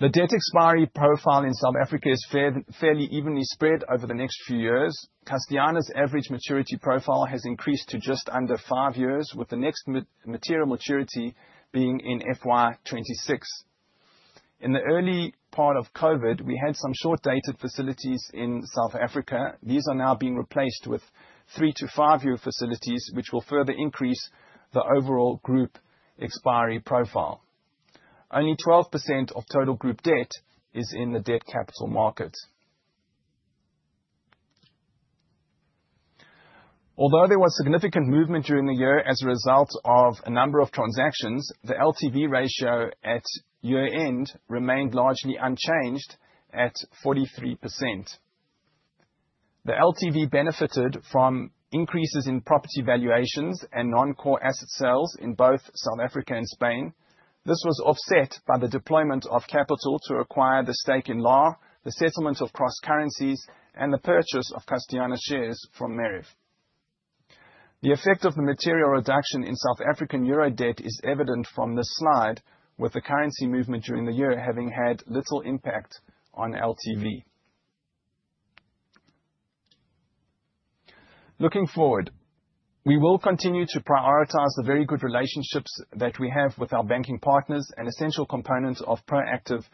The debt expiry profile in South Africa is fairly evenly spread over the next few years. Castellana's average maturity profile has increased to just under 5 years, with the next material maturity being in FY 2026. In the early part of COVID, we had some short-dated facilities in South Africa. These are now being replaced with 3-5-year facilities, which will further increase the overall group expiry profile. Only 12% of total group debt is in the debt capital market. Although there was significant movement during the year as a result of a number of transactions, the LTV ratio at year-end remained largely unchanged at 43%. The LTV benefited from increases in property valuations and non-core asset sales in both South Africa and Spain. This was offset by the deployment of capital to acquire the stake in LAR, the settlement of cross currencies, and the purchase of Castellana shares from MERIV. The effect of the material reduction in South African euro debt is evident from this slide, with the currency movement during the year having had little impact on LTV. Looking forward, we will continue to prioritize the very good relationships that we have with our banking partners, an essential component of proactive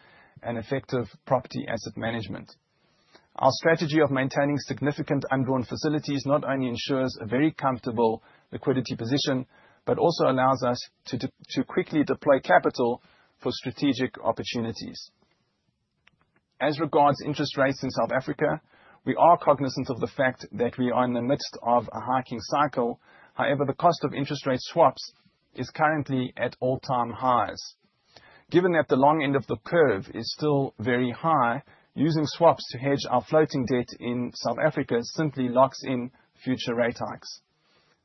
and effective property asset management. Our strategy of maintaining significant undrawn facilities not only ensures a very comfortable liquidity position, but also allows us to quickly deploy capital for strategic opportunities. As regards interest rates in South Africa, we are cognizant of the fact that we are in the midst of a hiking cycle. The cost of interest rate swaps is currently at all-time highs. Given that the long end of the curve is still very high, using swaps to hedge our floating debt in South Africa simply locks in future rate hikes.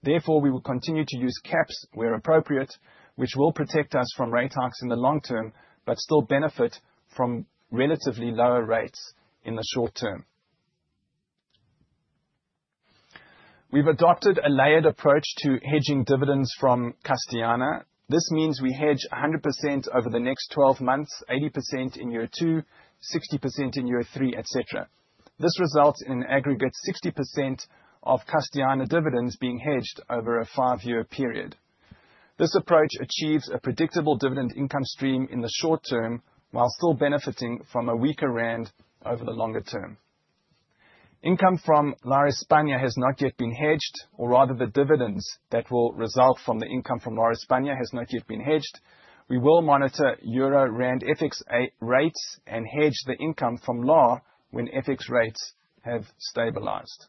We will continue to use caps where appropriate, which will protect us from rate hikes in the long term, but still benefit from relatively lower rates in the short term. We've adopted a layered approach to hedging dividends from Castellana. This means we hedge 100% over the next 12 months, 80% in year two, 60% in year 3, et cetera. This results in aggregate 60% of Castellana dividends being hedged over a 5-year period. This approach achieves a predictable dividend income stream in the short term, while still benefiting from a weaker rand over the longer term. Income from Lar España has not yet been hedged, or rather the dividends that will result from the income from Lar España has not yet been hedged. We will monitor Euro Rand FX rates and hedge the income from Lar when FX rates have stabilized.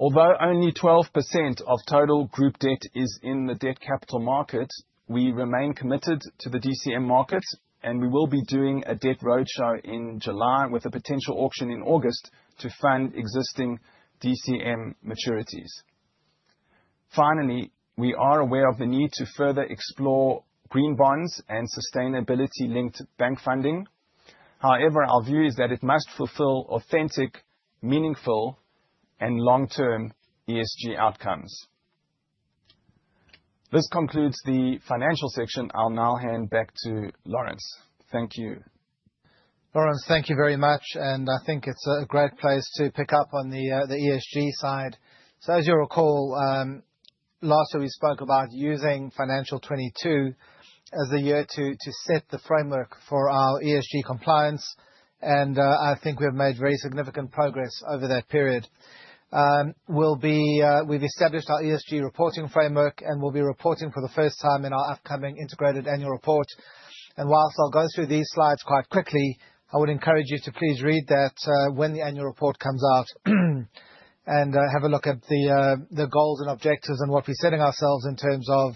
Although only 12% of total group debt is in the debt capital market, we remain committed to the DCM market, and we will be doing a debt roadshow in July with a potential auction in August to fund existing DCM maturities. We are aware of the need to further explore green bonds and sustainability-linked bank funding. However, our view is that it must fulfill authentic, meaningful, and long-term ESG outcomes. This concludes the financial section. I'll now hand back to Laurence. Thank you. Laurence, thank you very much. I think it's a great place to pick up on the ESG side. As you'll recall, last year we spoke about using financial 22 as the year to set the framework for our ESG compliance. I think we have made very significant progress over that period. We've established our ESG reporting framework and will be reporting for the first time in our upcoming integrated annual report. Whilst I'll go through these slides quite quickly, I would encourage you to please read that when the annual report comes out and have a look at the goals and objectives and what we're setting ourselves in terms of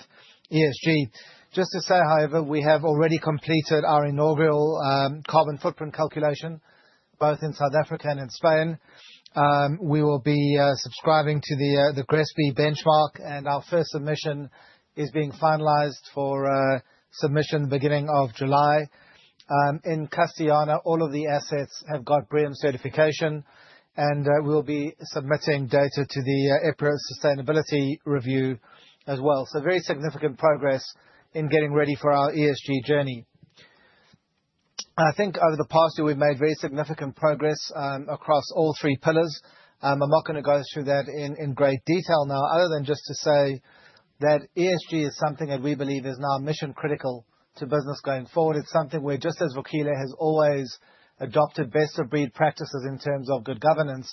ESG. Just to say, however, we have already completed our inaugural carbon footprint calculation, both in South Africa and in Spain. We will be subscribing to the GRESB benchmark, our first submission is being finalized for submission beginning of July. In Castellana, all of the assets have got BREEAM certification, we'll be submitting data to the EPRA Sustainability Review as well. Very significant progress in getting ready for our ESG journey. I think over the past year, we've made very significant progress across all three pillars. I'm not gonna go through that in great detail now, other than just to say that ESG is something that we believe is now mission-critical to business going forward. It's something where, just as Vukile has always adopted best-of-breed practices in terms of good governance,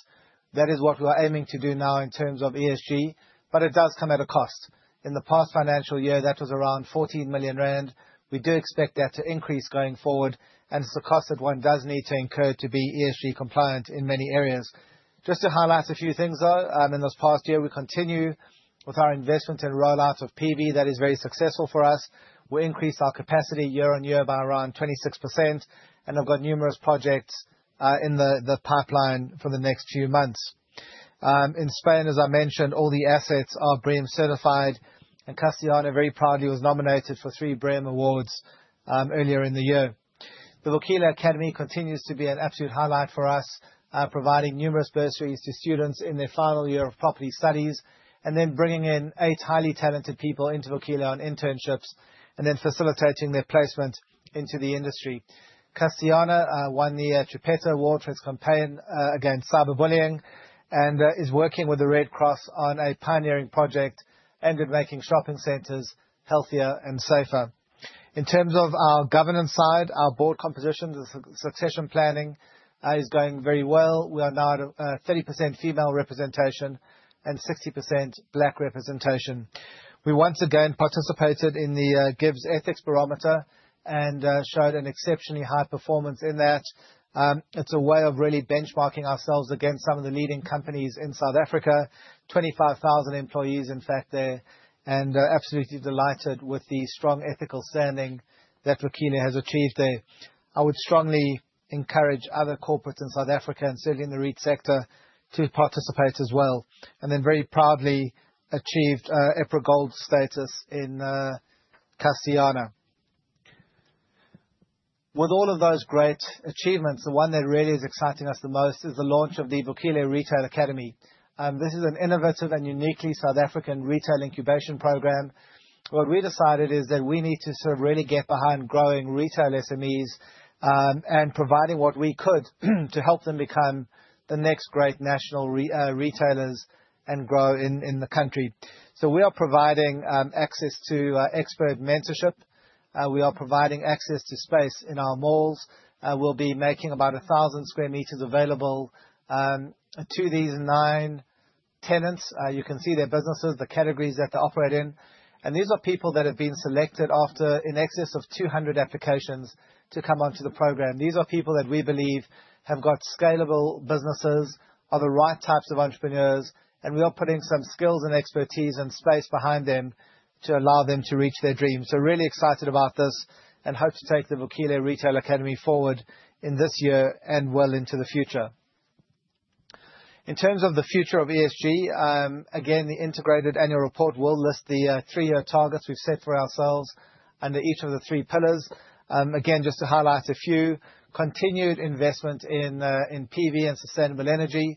that is what we are aiming to do now in terms of ESG, it does come at a cost. In the past financial year, that was around 14 million rand. We do expect that to increase going forward, and it's a cost that one does need to incur to be ESG compliant in many areas. Just to highlight a few things, though, in this past year, we continue with our investment and rollout of PV. That is very successful for us. We increased our capacity year on year by around 26%, and have got numerous projects in the pipeline for the next few months. In Spain, as I mentioned, all the assets are BREEAM certified, and Castellana very proudly was nominated for three BREEAM awards earlier in the year. The Vukile Academy continues to be an absolute highlight for us, providing numerous bursaries to students in their final year of property studies and then bringing in eight highly talented people into Vukile on internships and then facilitating their placement into the industry. Castellana won the Geppetto Award for its campaign against cyberbullying, and is working with the Red Cross on a pioneering project aimed at making shopping centers healthier and safer. In terms of our governance side, our board composition, the succession planning, is going very well. We are now at 30% female representation and 60% Black representation. We once again participated in the GIBS Ethics Barometer and showed an exceptionally high performance in that. It's a way of really benchmarking ourselves against some of the leading companies in South Africa. 25,000 employees, in fact, there, and absolutely delighted with the strong ethical standing that Vukile has achieved there. I would strongly encourage other corporates in South Africa and certainly in the REIT sector to participate as well. Then very proudly achieved EPRA Gold status in Castellana. With all of those great achievements, the one that really is exciting us the most is the launch of the Vukile Retail Academy. This is an innovative and uniquely South African retail incubation program. What we decided is that we need to sort of really get behind growing retail SMEs and providing what we could to help them become the next great national retailers and grow in the country. We are providing access to expert mentorship. We are providing access to space in our malls. We'll be making about 1,000 square meters available to these nine tenants. You can see their businesses, the categories that they operate in. These are people that have been selected after in excess of 200 applications to come onto the program. These are people that we believe have got scalable businesses, are the right types of entrepreneurs, and we are putting some skills and expertise and space behind them to allow them to reach their dreams. Really excited about this and hope to take the Vukile Retail Academy forward in this year and well into the future. In terms of the future of ESG, again, the integrated annual report will list the three-year targets we've set for ourselves under each of the three pillars. Again, just to highlight a few, continued investment in PV and sustainable energy.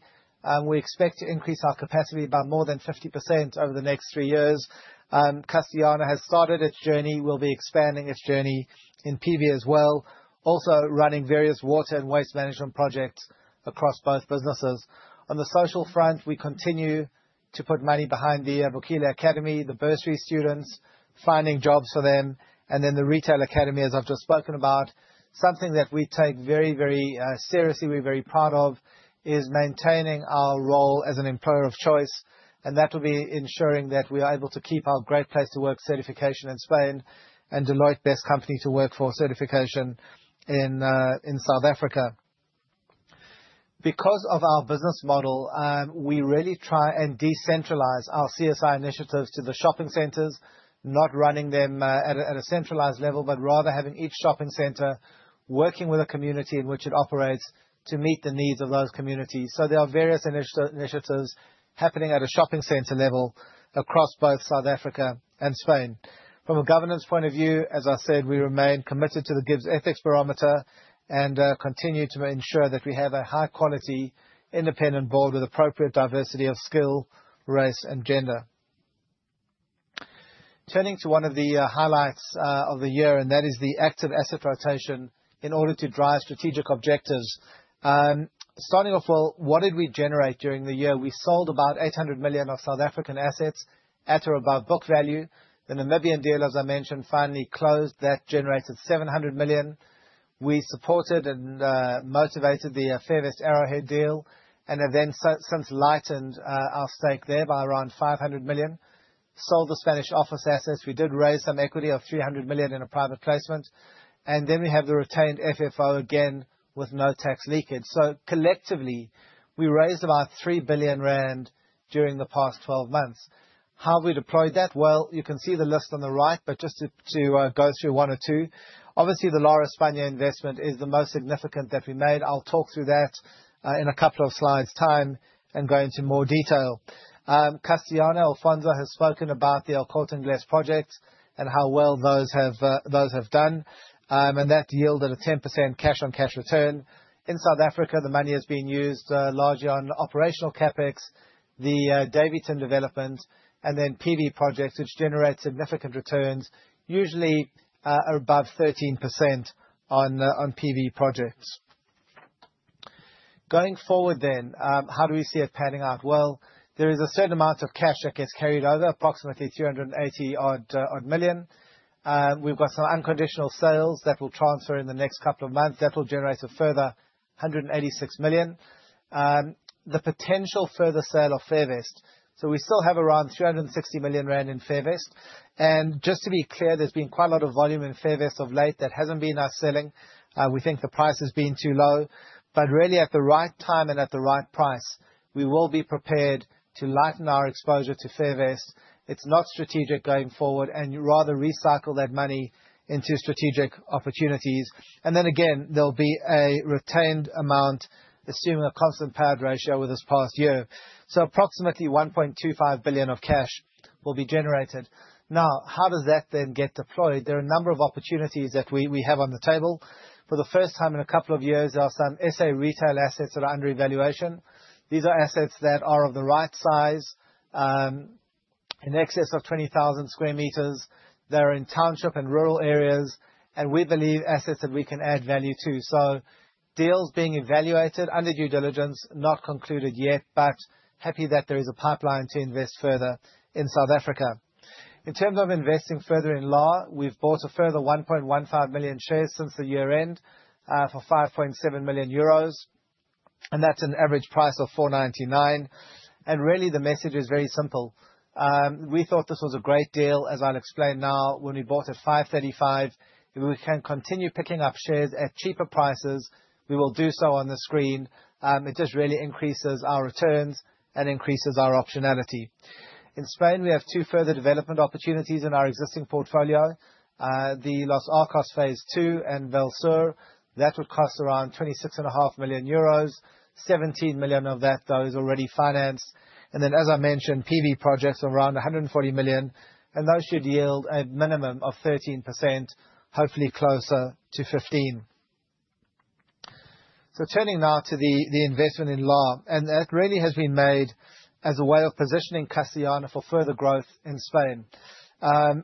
We expect to increase our capacity by more than 50% over the next 3 years. Castellana has started its journey. We'll be expanding its journey in PV as well. Also running various water and waste management projects across both businesses. On the social front, we continue to put money behind the Vukile Academy, the bursary students, finding jobs for them, and then the Retail Academy, as I've just spoken about. Something that we take very, very seriously, we're very proud of, is maintaining our role as an employer of choice, and that will be ensuring that we are able to keep our Great Place to Work certification in Spain and Deloitte Best Company to Work For certification in South Africa. Because of our business model, we really try and decentralize our CSI initiatives to the shopping centers, not running them, at a centralized level, but rather having each shopping center working with a community in which it operates to meet the needs of those communities. There are various initiatives happening at a shopping center level across both South Africa and Spain. From a governance point of view, as I said, we remain committed to the GIBS Ethics Barometer and, continue to ensure that we have a high-quality independent board with appropriate diversity of skill, race, and gender. Turning to one of the highlights of the year, and that is the active asset rotation in order to drive strategic objectives. Starting off, well, what did we generate during the year? We sold about 800 million of South African assets at or above book value. The Namibian deal, as I mentioned, finally closed. That generated 700 million. We supported and motivated the Fairvest Arrowhead deal and have since lightened our stake there by around 500 million. Sold the Spanish office assets. We did raise some equity of 300 million in a private placement. We have the retained FFO again with no tax leakage. Collectively, we raised about 3 billion rand during the past 12 months. How have we deployed that? Well, you can see the list on the right, but just to go through one or two. Obviously, the Lar España investment is the most significant that we made. I'll talk through that in a couple of slides' time and go into more detail. Castellana, Alfonso has spoken about the Alcorcón projects and how well those have done. That yielded a 10% cash-on-cash return. In South Africa, the money is being used largely on operational CapEx, the Daveyton development, and then PV projects, which generate significant returns, usually above 13% on PV projects. Going forward, how do we see it panning out? Well, there is a certain amount of cash that gets carried over, approximately 380 odd million. We've got some unconditional sales that will transfer in the next couple of months. That will generate a further 186 million. The potential further sale of Fairvest. We still have around 360 million rand in Fairvest. Just to be clear, there's been quite a lot of volume in Fairvest of late. That hasn't been us selling. We think the price has been too low. Really, at the right time and at the right price, we will be prepared to lighten our exposure to Fairvest. It's not strategic going forward, and you rather recycle that money into strategic opportunities. Then again, there'll be a retained amount, assuming a constant payout ratio with this past year. Approximately 1.25 billion of cash will be generated. How does that then get deployed? There are a number of opportunities that we have on the table. For the first time in a couple of years, there are some SA retail assets that are under evaluation. These are assets that are of the right size, in excess of 20,000 square meters. They are in township and rural areas, and we believe assets that we can add value to. Deals being evaluated under due diligence, not concluded yet, but happy that there is a pipeline to invest further in South Africa. In terms of investing further in LAR, we've bought a further 1.15 million shares since the year-end for 5.7 million euros, and that's an average price of 4.99. Really, the message is very simple. We thought this was a great deal, as I'll explain now, when we bought at 5.35. If we can continue picking up shares at cheaper prices, we will do so on the screen. It just really increases our returns and increases our optionality. In Spain, we have two further development opportunities in our existing portfolio. The Los Arcos Phase Two and Vallsur, that would cost around 26.5 million euros. 17 million of that, though, is already financed. As I mentioned, PV projects around 140 million, and those should yield a minimum of 13%, hopefully closer to 15%. Turning now to the investment in Lar, that really has been made as a way of positioning Castellana for further growth in Spain.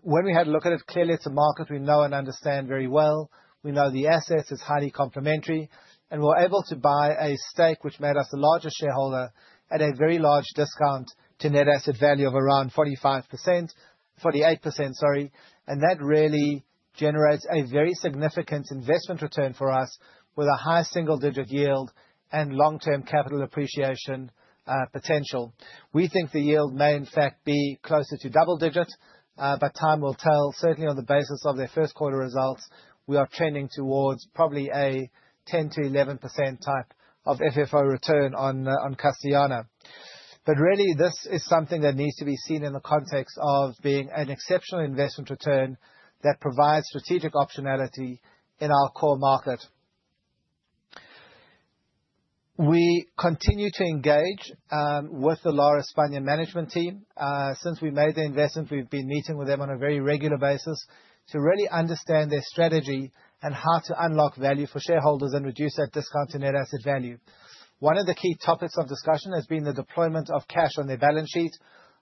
When we had a look at it, clearly it's a market we know and understand very well. We know the assets. It's highly complementary, we're able to buy a stake which made us the largest shareholder at a very large discount to net asset value of around 45%. 48%, sorry. That really generates a very significant investment return for us with a high single-digit yield and long-term capital appreciation potential. We think the yield may, in fact, be closer to double digits, but time will tell. Certainly on the basis of their first quarter results, we are trending towards probably a 10%-11% type of FFO return on Castellana. Really, this is something that needs to be seen in the context of being an exceptional investment return that provides strategic optionality in our core market. We continue to engage with the Lar España management team. Since we made the investment, we've been meeting with them on a very regular basis to really understand their strategy and how to unlock value for shareholders and reduce that discount to net asset value. One of the key topics of discussion has been the deployment of cash on their balance sheet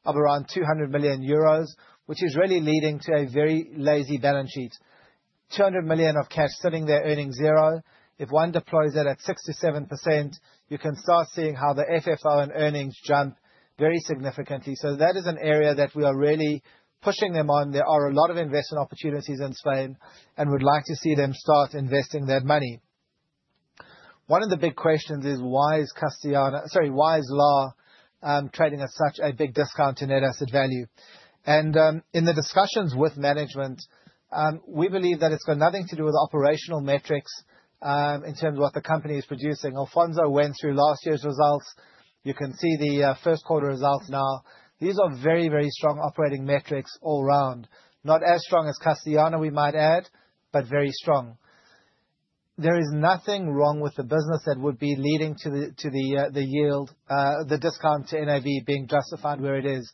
of around 200 million euros, which is really leading to a very lazy balance sheet. 200 million of cash sitting there earning zero. If one deploys it at 6%-7%, you can start seeing how the FFO and earnings jump very significantly. That is an area that we are really pushing them on. There are a lot of investment opportunities in Spain and would like to see them start investing their money. One of the big questions is why is Castellana... Sorry, why is Lar trading at such a big discount to net asset value? In the discussions with management, we believe that it's got nothing to do with operational metrics in terms of what the company is producing. Alfonso went through last year's results. You can see the first quarter results now. These are very strong operating metrics all around. Not as strong as Castellana, we might add, but very strong. There is nothing wrong with the business that would be leading to the yield, the discount to NAV being justified where it is.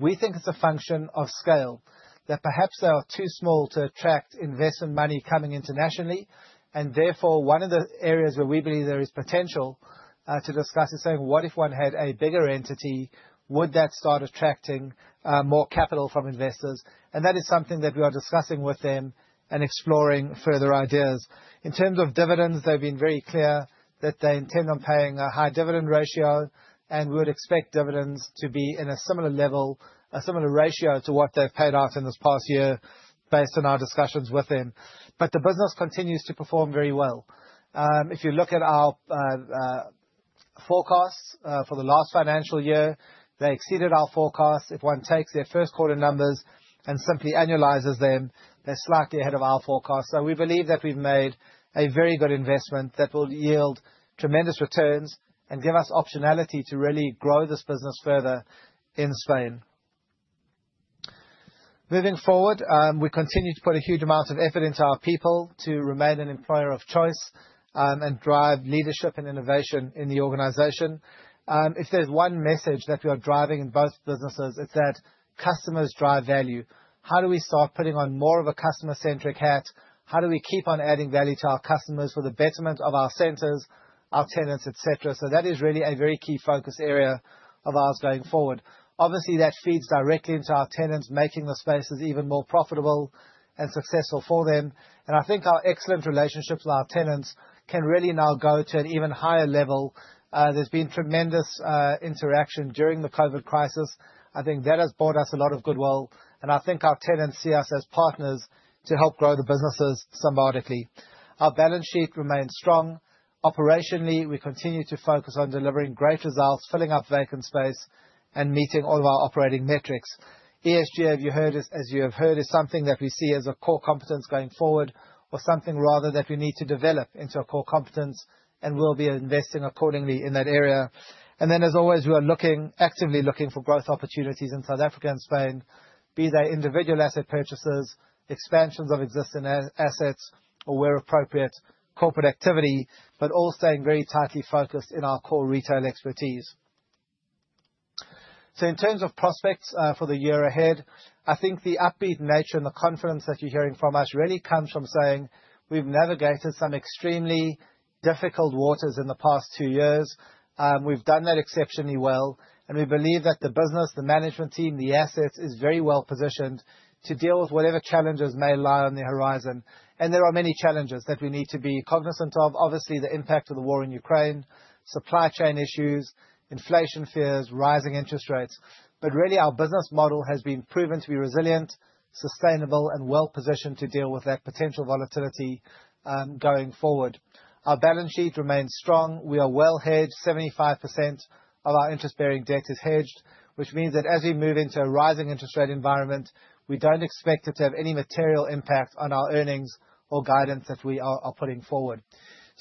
We think it's a function of scale, that perhaps they are too small to attract investment money coming internationally. Therefore, one of the areas where we believe there is potential to discuss is saying, what if one had a bigger entity, would that start attracting more capital from investors? That is something that we are discussing with them and exploring further ideas. In terms of dividends, they've been very clear that they intend on paying a high dividend ratio and would expect dividends to be in a similar level, a similar ratio to what they've paid out in this past year based on our discussions with them. The business continues to perform very well. If you look at our forecasts for the last financial year, they exceeded our forecasts. If one takes their first quarter numbers and simply annualizes them, they're slightly ahead of our forecasts. We believe that we've made a very good investment that will yield tremendous returns and give us optionality to really grow this business further in Spain. Moving forward, we continue to put a huge amount of effort into our people to remain an employer of choice, and drive leadership and innovation in the organization. If there's one message that we are driving in both businesses, it's that customers drive value. How do we start putting on more of a customer-centric hat? How do we keep on adding value to our customers for the betterment of our centers, our tenants, et cetera? That is really a very key focus area of ours going forward. Obviously, that feeds directly into our tenants, making the spaces even more profitable and successful for them. I think our excellent relationships with our tenants can really now go to an even higher level. There's been tremendous interaction during the COVID crisis. I think that has bought us a lot of goodwill, and I think our tenants see us as partners to help grow the businesses symbiotically. Our balance sheet remains strong. Operationally, we continue to focus on delivering great results, filling up vacant space, and meeting all of our operating metrics. ESG, as you have heard, is something that we see as a core competence going forward or something rather that we need to develop into a core competence and will be investing accordingly in that area. Then, as always, we are looking, actively looking for growth opportunities in South Africa and Spain, be they individual asset purchases, expansions of existing assets, or where appropriate, corporate activity, but all staying very tightly focused in our core retail expertise. In terms of prospects, for the year ahead, I think the upbeat nature and the confidence that you're hearing from us really comes from saying we've navigated some extremely difficult waters in the past 2 years. We've done that exceptionally well. We believe that the business, the management team, the assets, is very well positioned to deal with whatever challenges may lie on the horizon. There are many challenges that we need to be cognizant of. Obviously, the impact of the war in Ukraine, supply chain issues, inflation fears, rising interest rates. Really, our business model has been proven to be resilient, sustainable, and well-positioned to deal with that potential volatility going forward. Our balance sheet remains strong. We are well hedged. 75% of our interest-bearing debt is hedged, which means that as we move into a rising interest rate environment, we don't expect it to have any material impact on our earnings or guidance that we are putting forward.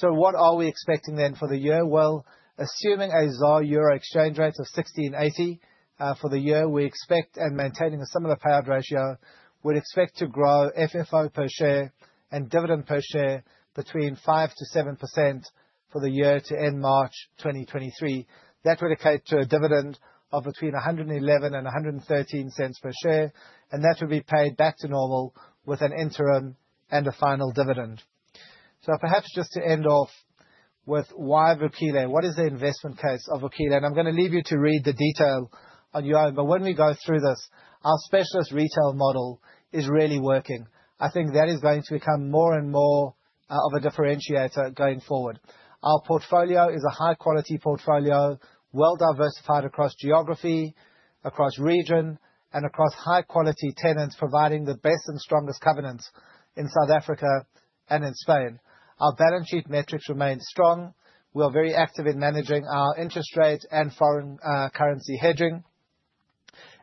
What are we expecting then for the year? Well, assuming a ZAR/EUR exchange rate of 16.80 for the year, we expect, and maintaining a similar payout ratio, we'd expect to grow FFO per share and dividend per share between 5%-7% for the year to end March 2023. That would equate to a dividend of between 1.11 and 1.13 per share, and that will be paid back to normal with an interim and a final dividend. Perhaps just to end off with why Vukile. What is the investment case of Vukile? I'm gonna leave you to read the detail on your own. When we go through this, our specialist retail model is really working. I think that is going to become more and more of a differentiator going forward. Our portfolio is a high-quality portfolio, well diversified across geography, across region, and across high-quality tenants, providing the best and strongest covenants in South Africa and in Spain. Our balance sheet metrics remain strong. We are very active in managing our interest rate and foreign currency hedging.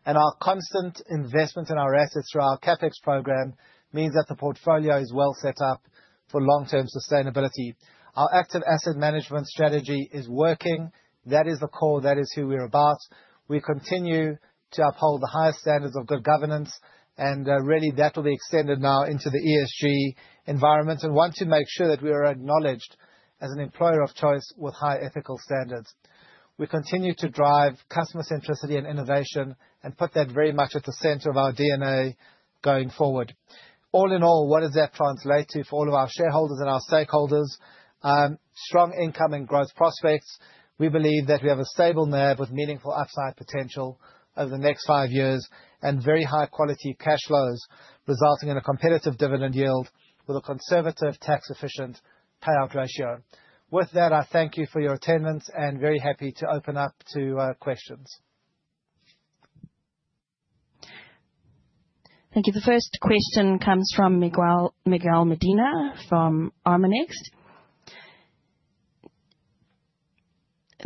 Our constant investment in our assets through our CapEx program means that the portfolio is well set up for long-term sustainability. Our active asset management strategy is working. That is the core. That is who we are about. We continue to uphold the highest standards of good governance. Really that will be extended now into the ESG environment and want to make sure that we are acknowledged as an employer of choice with high ethical standards. We continue to drive customer centricity and innovation and put that very much at the center of our DNA going forward. All in all, what does that translate to for all of our shareholders and our stakeholders? Strong income and growth prospects. We believe that we have a stable NAV with meaningful upside potential over the next five years, and very high quality cash flows, resulting in a competitive dividend yield with a conservative tax-efficient payout ratio. With that, I thank you for your attendance and very happy to open up to questions. Thank you. The first question comes from Miguel Medina from Armanext.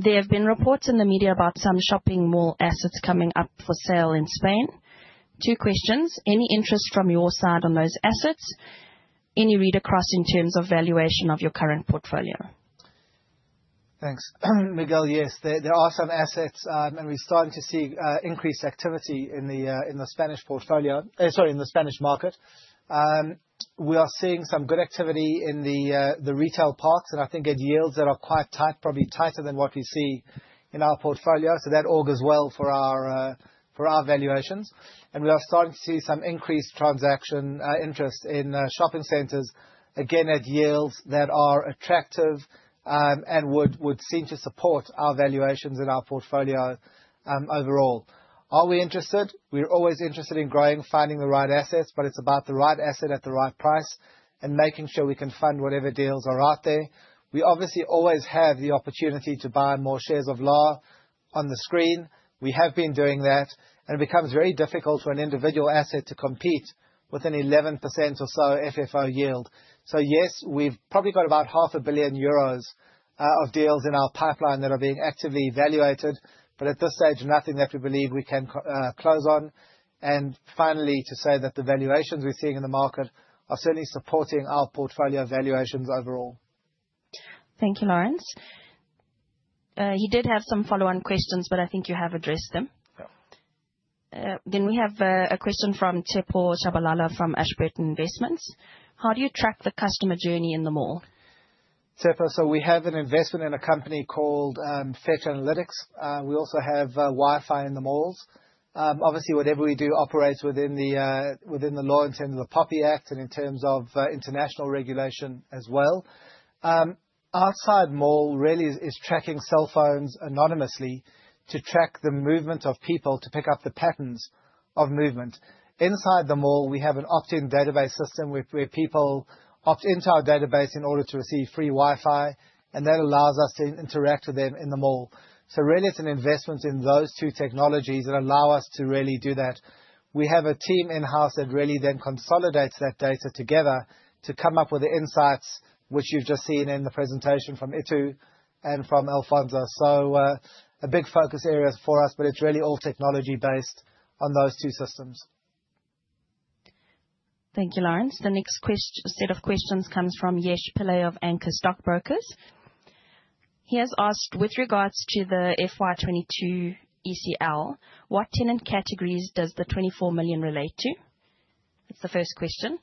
There have been reports in the media about some shopping mall assets coming up for sale in Spain. Two questions: Any interest from your side on those assets? Any read-across in terms of valuation of your current portfolio? Thanks. Miguel, yes. There are some assets, and we're starting to see increased activity in the Spanish portfolio. Sorry, in the Spanish market. We are seeing some good activity in the retail parks and I think at yields that are quite tight, probably tighter than what we see in our portfolio. That augurs well for our valuations. We are starting to see some increased transaction interest in shopping centers, again at yields that are attractive, and would seem to support our valuations in our portfolio overall. Are we interested? We're always interested in growing, finding the right assets, but it's about the right asset at the right price and making sure we can fund whatever deals are out there. We obviously always have the opportunity to buy more shares of LAR on the screen. We have been doing that. It becomes very difficult for an individual asset to compete with an 11% or so FFO yield. Yes, we've probably got about half a billion EUR of deals in our pipeline that are being actively evaluated. At this stage, nothing that we believe we can close on. Finally, to say that the valuations we're seeing in the market are certainly supporting our portfolio valuations overall. Thank you, Laurence. He did have some follow-on questions, but I think you have addressed them. Yeah. We have a question from Tshepo Shabalala from Ashburton Investments. How do you track the customer journey in the mall? Tshepo, we have an investment in a company called Fetch Analytics. We also have Wi-Fi in the malls. Obviously, whatever we do operates within the law in terms of POPI Act and in terms of international regulation as well. Outside mall really is tracking cell phones anonymously to track the movement of people to pick up the patterns of movement. Inside the mall, we have an opt-in database system where people opt into our database in order to receive free Wi-Fi, and that allows us to interact with them in the mall. Really it's an investment in those two technologies that allow us to really do that. We have a team in-house that really then consolidates that data together to come up with the insights which you've just seen in the presentation from Itumeleng and from Alfonso. A big focus area for us, but it's really all technology-based on those two systems. Thank you, Laurence. The next set of questions comes from Yesh Pillay of Anchor Stockbrokers. He has asked, with regards to the FY 22 ECL, what tenant categories does the 24 million relate to? That's the first question.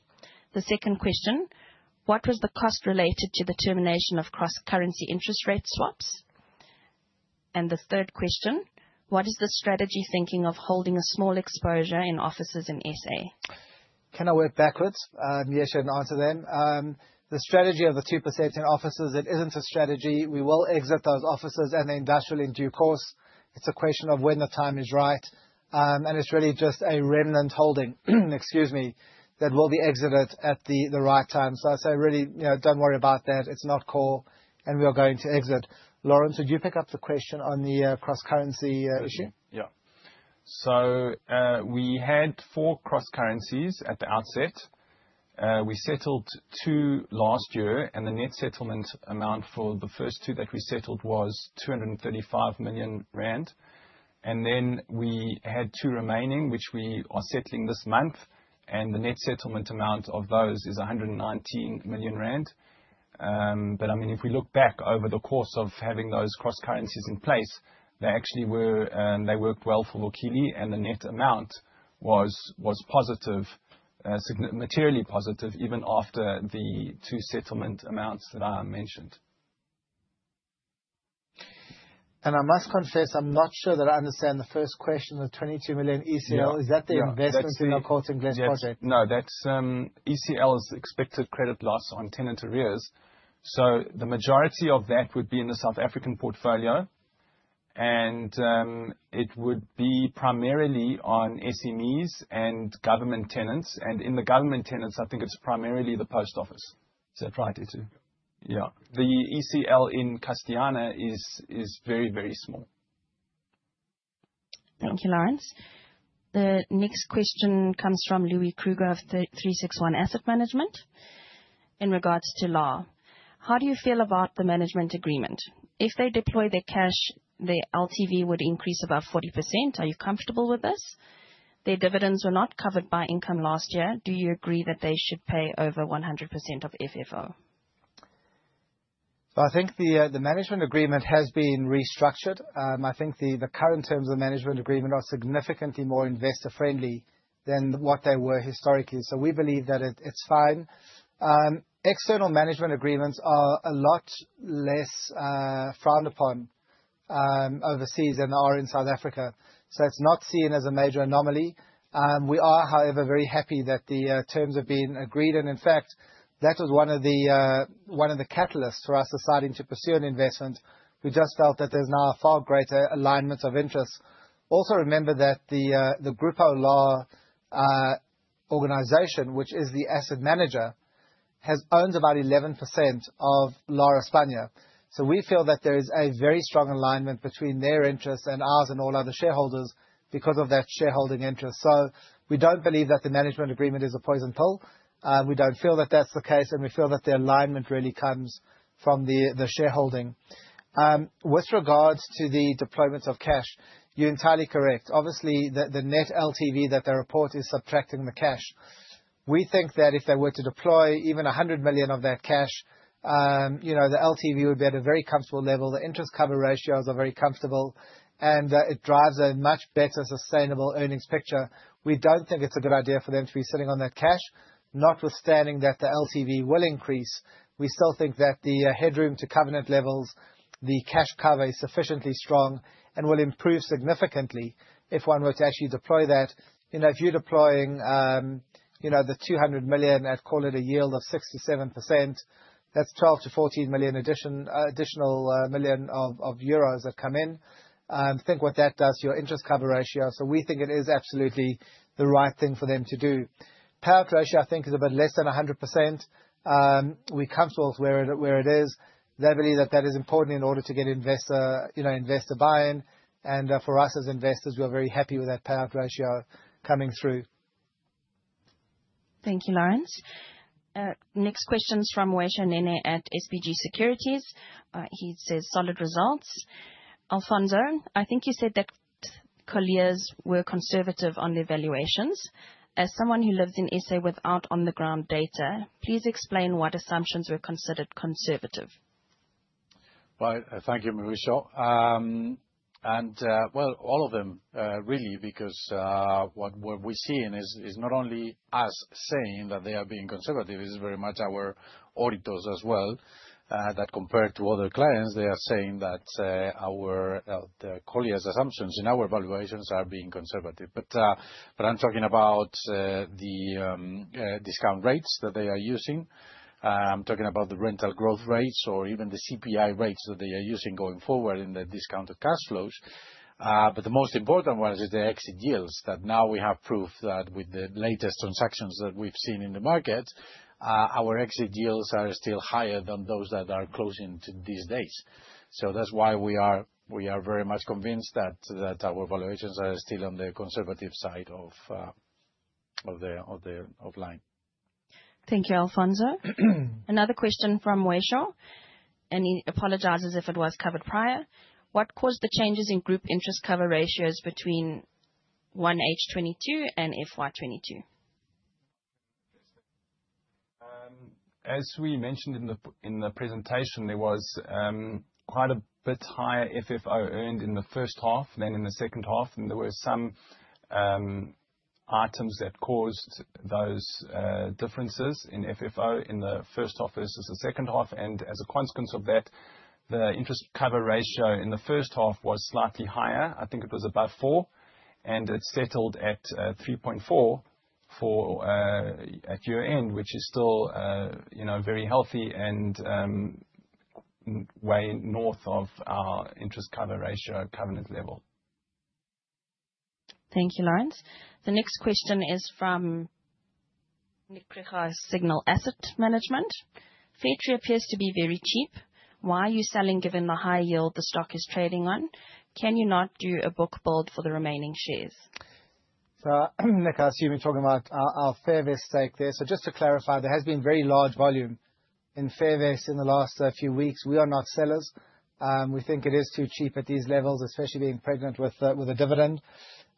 The second question: What was the cost related to the termination of cross-currency interest rate swaps? The third question: What is the strategy thinking of holding a small exposure in offices in SA? Can I work backwards, yes, you had an answer then. The strategy of the 2% in offices, it isn't a strategy. We will exit those offices and the industrial in due course. It's a question of when the time is right, it's really just a remnant holding, excuse me, that will be exited at the right time. I'd say, really, you know, don't worry about that, it's not core, and we are going to exit. Laurence, would you pick up the question on the cross-currency issue? We had 4 cross currencies at the outset. We settled 2 last year, the net settlement amount for the first 2 that we settled was 235 million rand. We had 2 remaining, which we are settling this month, the net settlement amount of those is 119 million rand. I mean, if we look back over the course of having those cross currencies in place, they actually were, they worked well for Vukile, the net amount was positive, materially positive, even after the 2 settlement amounts that I mentioned. I must confess, I'm not sure that I understand the first question, the 22 million ECL. Yeah. Is that the investment in your? That's the-. Coles and guest project? Yes. No, that's ECL's expected credit loss on tenant arrears. The majority of that would be in the South African portfolio. It would be primarily on SMEs and government tenants. In the government tenants, I think it's primarily the post office. Is that right, too? Yeah. The ECL in Castellana is very, very small. Thank you, Laurence. The next question comes from Louis Kruger of 36ONE Asset Management in regards to Laurence. How do you feel about the management agreement? If they deploy their cash, their LTV would increase above 40%. Are you comfortable with this? Their dividends were not covered by income last year. Do you agree that they should pay over 100% of FFO? I think the management agreement has been restructured. I think the current terms of management agreement are significantly more investor-friendly than what they were historically. We believe that it's fine. External management agreements are a lot less frowned upon overseas than they are in South Africa. It's not seen as a major anomaly. We are, however, very happy that the terms have been agreed. In fact, that was one of the catalysts for us deciding to pursue an investment. We just felt that there's now a far greater alignment of interests. Also remember that the Grupo Lar organization, which is the asset manager, has owned about 11% of Lar España. We feel that there is a very strong alignment between their interests and ours and all other shareholders because of that shareholding interest. We don't believe that the management agreement is a poison pill. We don't feel that that's the case, and we feel that the alignment really comes from the shareholding. With regards to the deployment of cash, you're entirely correct. Obviously, the net LTV that they report is subtracting the cash. We think that if they were to deploy even 100 million of that cash, you know, the LTV would be at a very comfortable level. The interest cover ratios are very comfortable, and it drives a much better sustainable earnings picture. We don't think it's a good idea for them to be sitting on that cash. Notwithstanding that, the LTV will increase. We still think that the headroom to covenant levels, the cash cover is sufficiently strong and will improve significantly if one were to actually deploy that. You know, if you're deploying 200 million at, call it, a yield of 67%, that's 12 million-14 million additional million of euros that come in. Think what that does to your interest cover ratio. We think it is absolutely the right thing for them to do. Payout ratio, I think, is about less than 100%. We're comfortable with where it is. They believe that that is important in order to get investor buy-in. For us as investors, we are very happy with that payout ratio coming through. Thank you, Laurence. Next question is from Mweishö Nene at SBG Securities. He says, "Solid results. Alfonso, I think you said that Colliers were conservative on the evaluations. As someone who lives in SA without on-the-ground data, please explain what assumptions were considered conservative. Well, thank you, Mweishö. Well, all of them, really, because what we're seeing is not only us saying that they are being conservative, this is very much our auditors as well, that compared to other clients, they are saying that our Colliers assumptions in our valuations are being conservative. I'm talking about the discount rates that they are using. I'm talking about the rental growth rates or even the CPI rates that they are using going forward in the discounted cash flows. The most important one is the exit deals, that now we have proof that with the latest transactions that we've seen in the market, our exit deals are still higher than those that are closing to these dates. That's why we are very much convinced that our valuations are still on the conservative side of the line. Thank you, Alfonso. Another question from Mweaaurenceaurenc, and he apologizes if it was covered prior. What caused the changes in group interest cover ratios between 1H 2022 and FY 2022? As we mentioned in the presentation, there was quite a bit higher FFO earned in the first half than in the second half, and there were some items that caused those differences in FFO in the first half versus the second half. As a consequence of that, the interest cover ratio in the first half was slightly higher. I think it was above 4, and it settled at 3.4 for at year-end, which is still very healthy and way north of our interest cover ratio covenant level. Thank you, Laurence. The next question is from Nick Reha, Signal Asset Management. Fairtree appears to be very cheap. Why are you selling, given the high yield the stock is trading on? Can you not do a book build for the remaining shares? Nick, I assume you're talking about our Fairvest stake there. Just to clarify, there has been very large volume in Fairvest in the last few weeks. We are not sellers. We think it is too cheap at these levels, especially being pregnant with a dividend.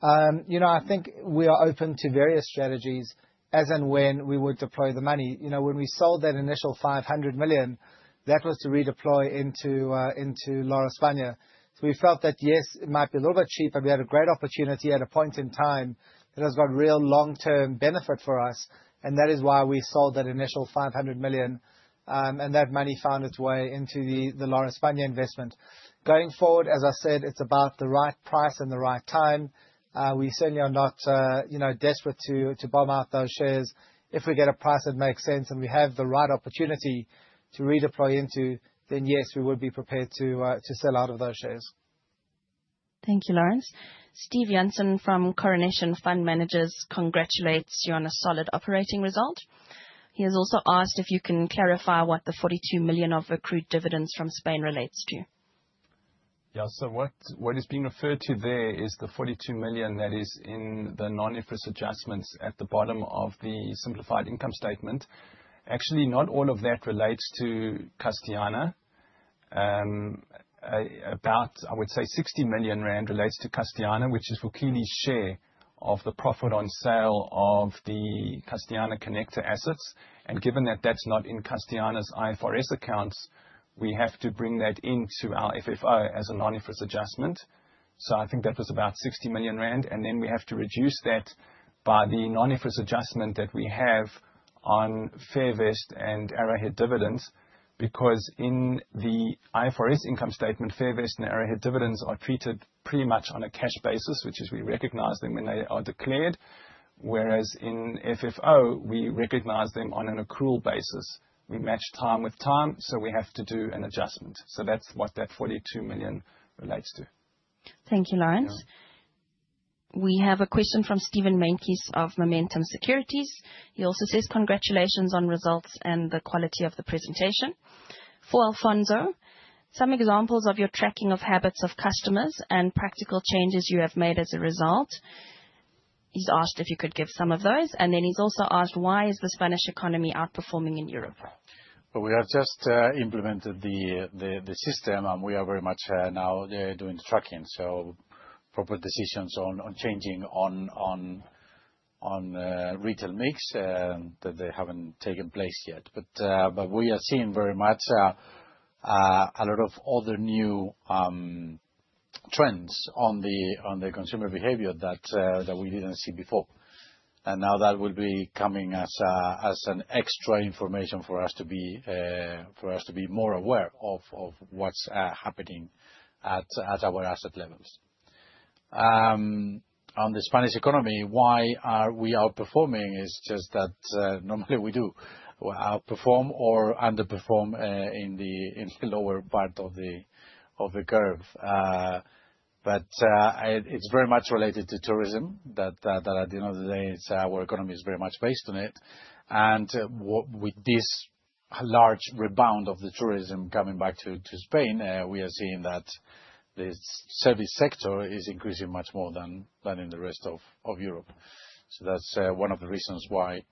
You know, I think we are open to various strategies as and when we would deploy the money. You know, when we sold that initial 500 million, that was to redeploy into Lar España. We felt that, yes, it might be a little bit cheaper. We had a great opportunity at a point in time that has got real long-term benefit for us, and that is why we sold that initial 500 million. And that money found its way into the Lar España investment. Going forward, as I said, it's about the right price and the right time. We certainly are not, you know, desperate to bomb out those shares. If we get a price that makes sense, and we have the right opportunity to redeploy into, then yes, we would be prepared to sell out of those shares. Thank you, Laurence. Steve Janson from Coronation Fund Managers congratulates you on a solid operating result. He has also asked if you can clarify what the 42 million of accrued dividends from Spain relates to. Yeah. What is being referred to there is the 42 million that is in the non-IFRS adjustments at the bottom of the simplified income statement. Actually, not all of that relates to Castellana. About, I would say 60 million rand relates to Castellana, which is Vukile's share of the profit on sale of the Castellana Connecta assets. Given that that's not in Castellana's IFRS accounts, we have to bring that into our FFO as a non-IFRS adjustment. I think that was about 60 million rand. We have to reduce that by the non-IFRS adjustment that we have on Fairvest and Arrowhead dividends. In the IFRS income statement, Fairvest and Arrowhead dividends are treated pretty much on a cash basis, which is we recognize them when they are declared, whereas in FFO, we recognize them on an accrual basis. We match time with time, so we have to do an adjustment. That's what that 42 million relates to. Thank you, Laurence. Yeah. We have a question from Steven Mankis of Momentum Securities. He also says congratulations on results and the quality of the presentation. For Alfonso, some examples of your tracking of habits of customers and practical changes you have made as a result. He's asked if you could give some of those. He's also asked, why is the Spanish economy outperforming in Europe? We have just implemented the system. We are very much now doing the tracking. Proper decisions on changing the retail mix that they haven't taken place yet. We are seeing very much a lot of other new trends on the consumer behavior that we didn't see before. Now that will be coming as an extra information for us to be for us to be more aware of what's happening at our asset levels. On the Spanish economy, why are we outperforming? It's just that normally we do. We outperform or underperform in the lower part of the curve. It's very much related to tourism that at the end of the day, it's our economy is very much based on it. With this large rebound of the tourism coming back to Spain, we are seeing that the service sector is increasing much more than in the rest of Europe. That's one of the reasons why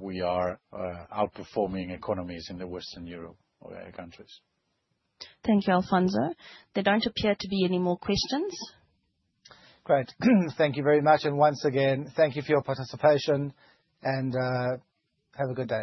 we are outperforming economies in the Western Europe or other countries. Thank you, Alfonso. There don't appear to be any more questions. Great. Thank you very much. Once again, thank you for your participation, and have a good day.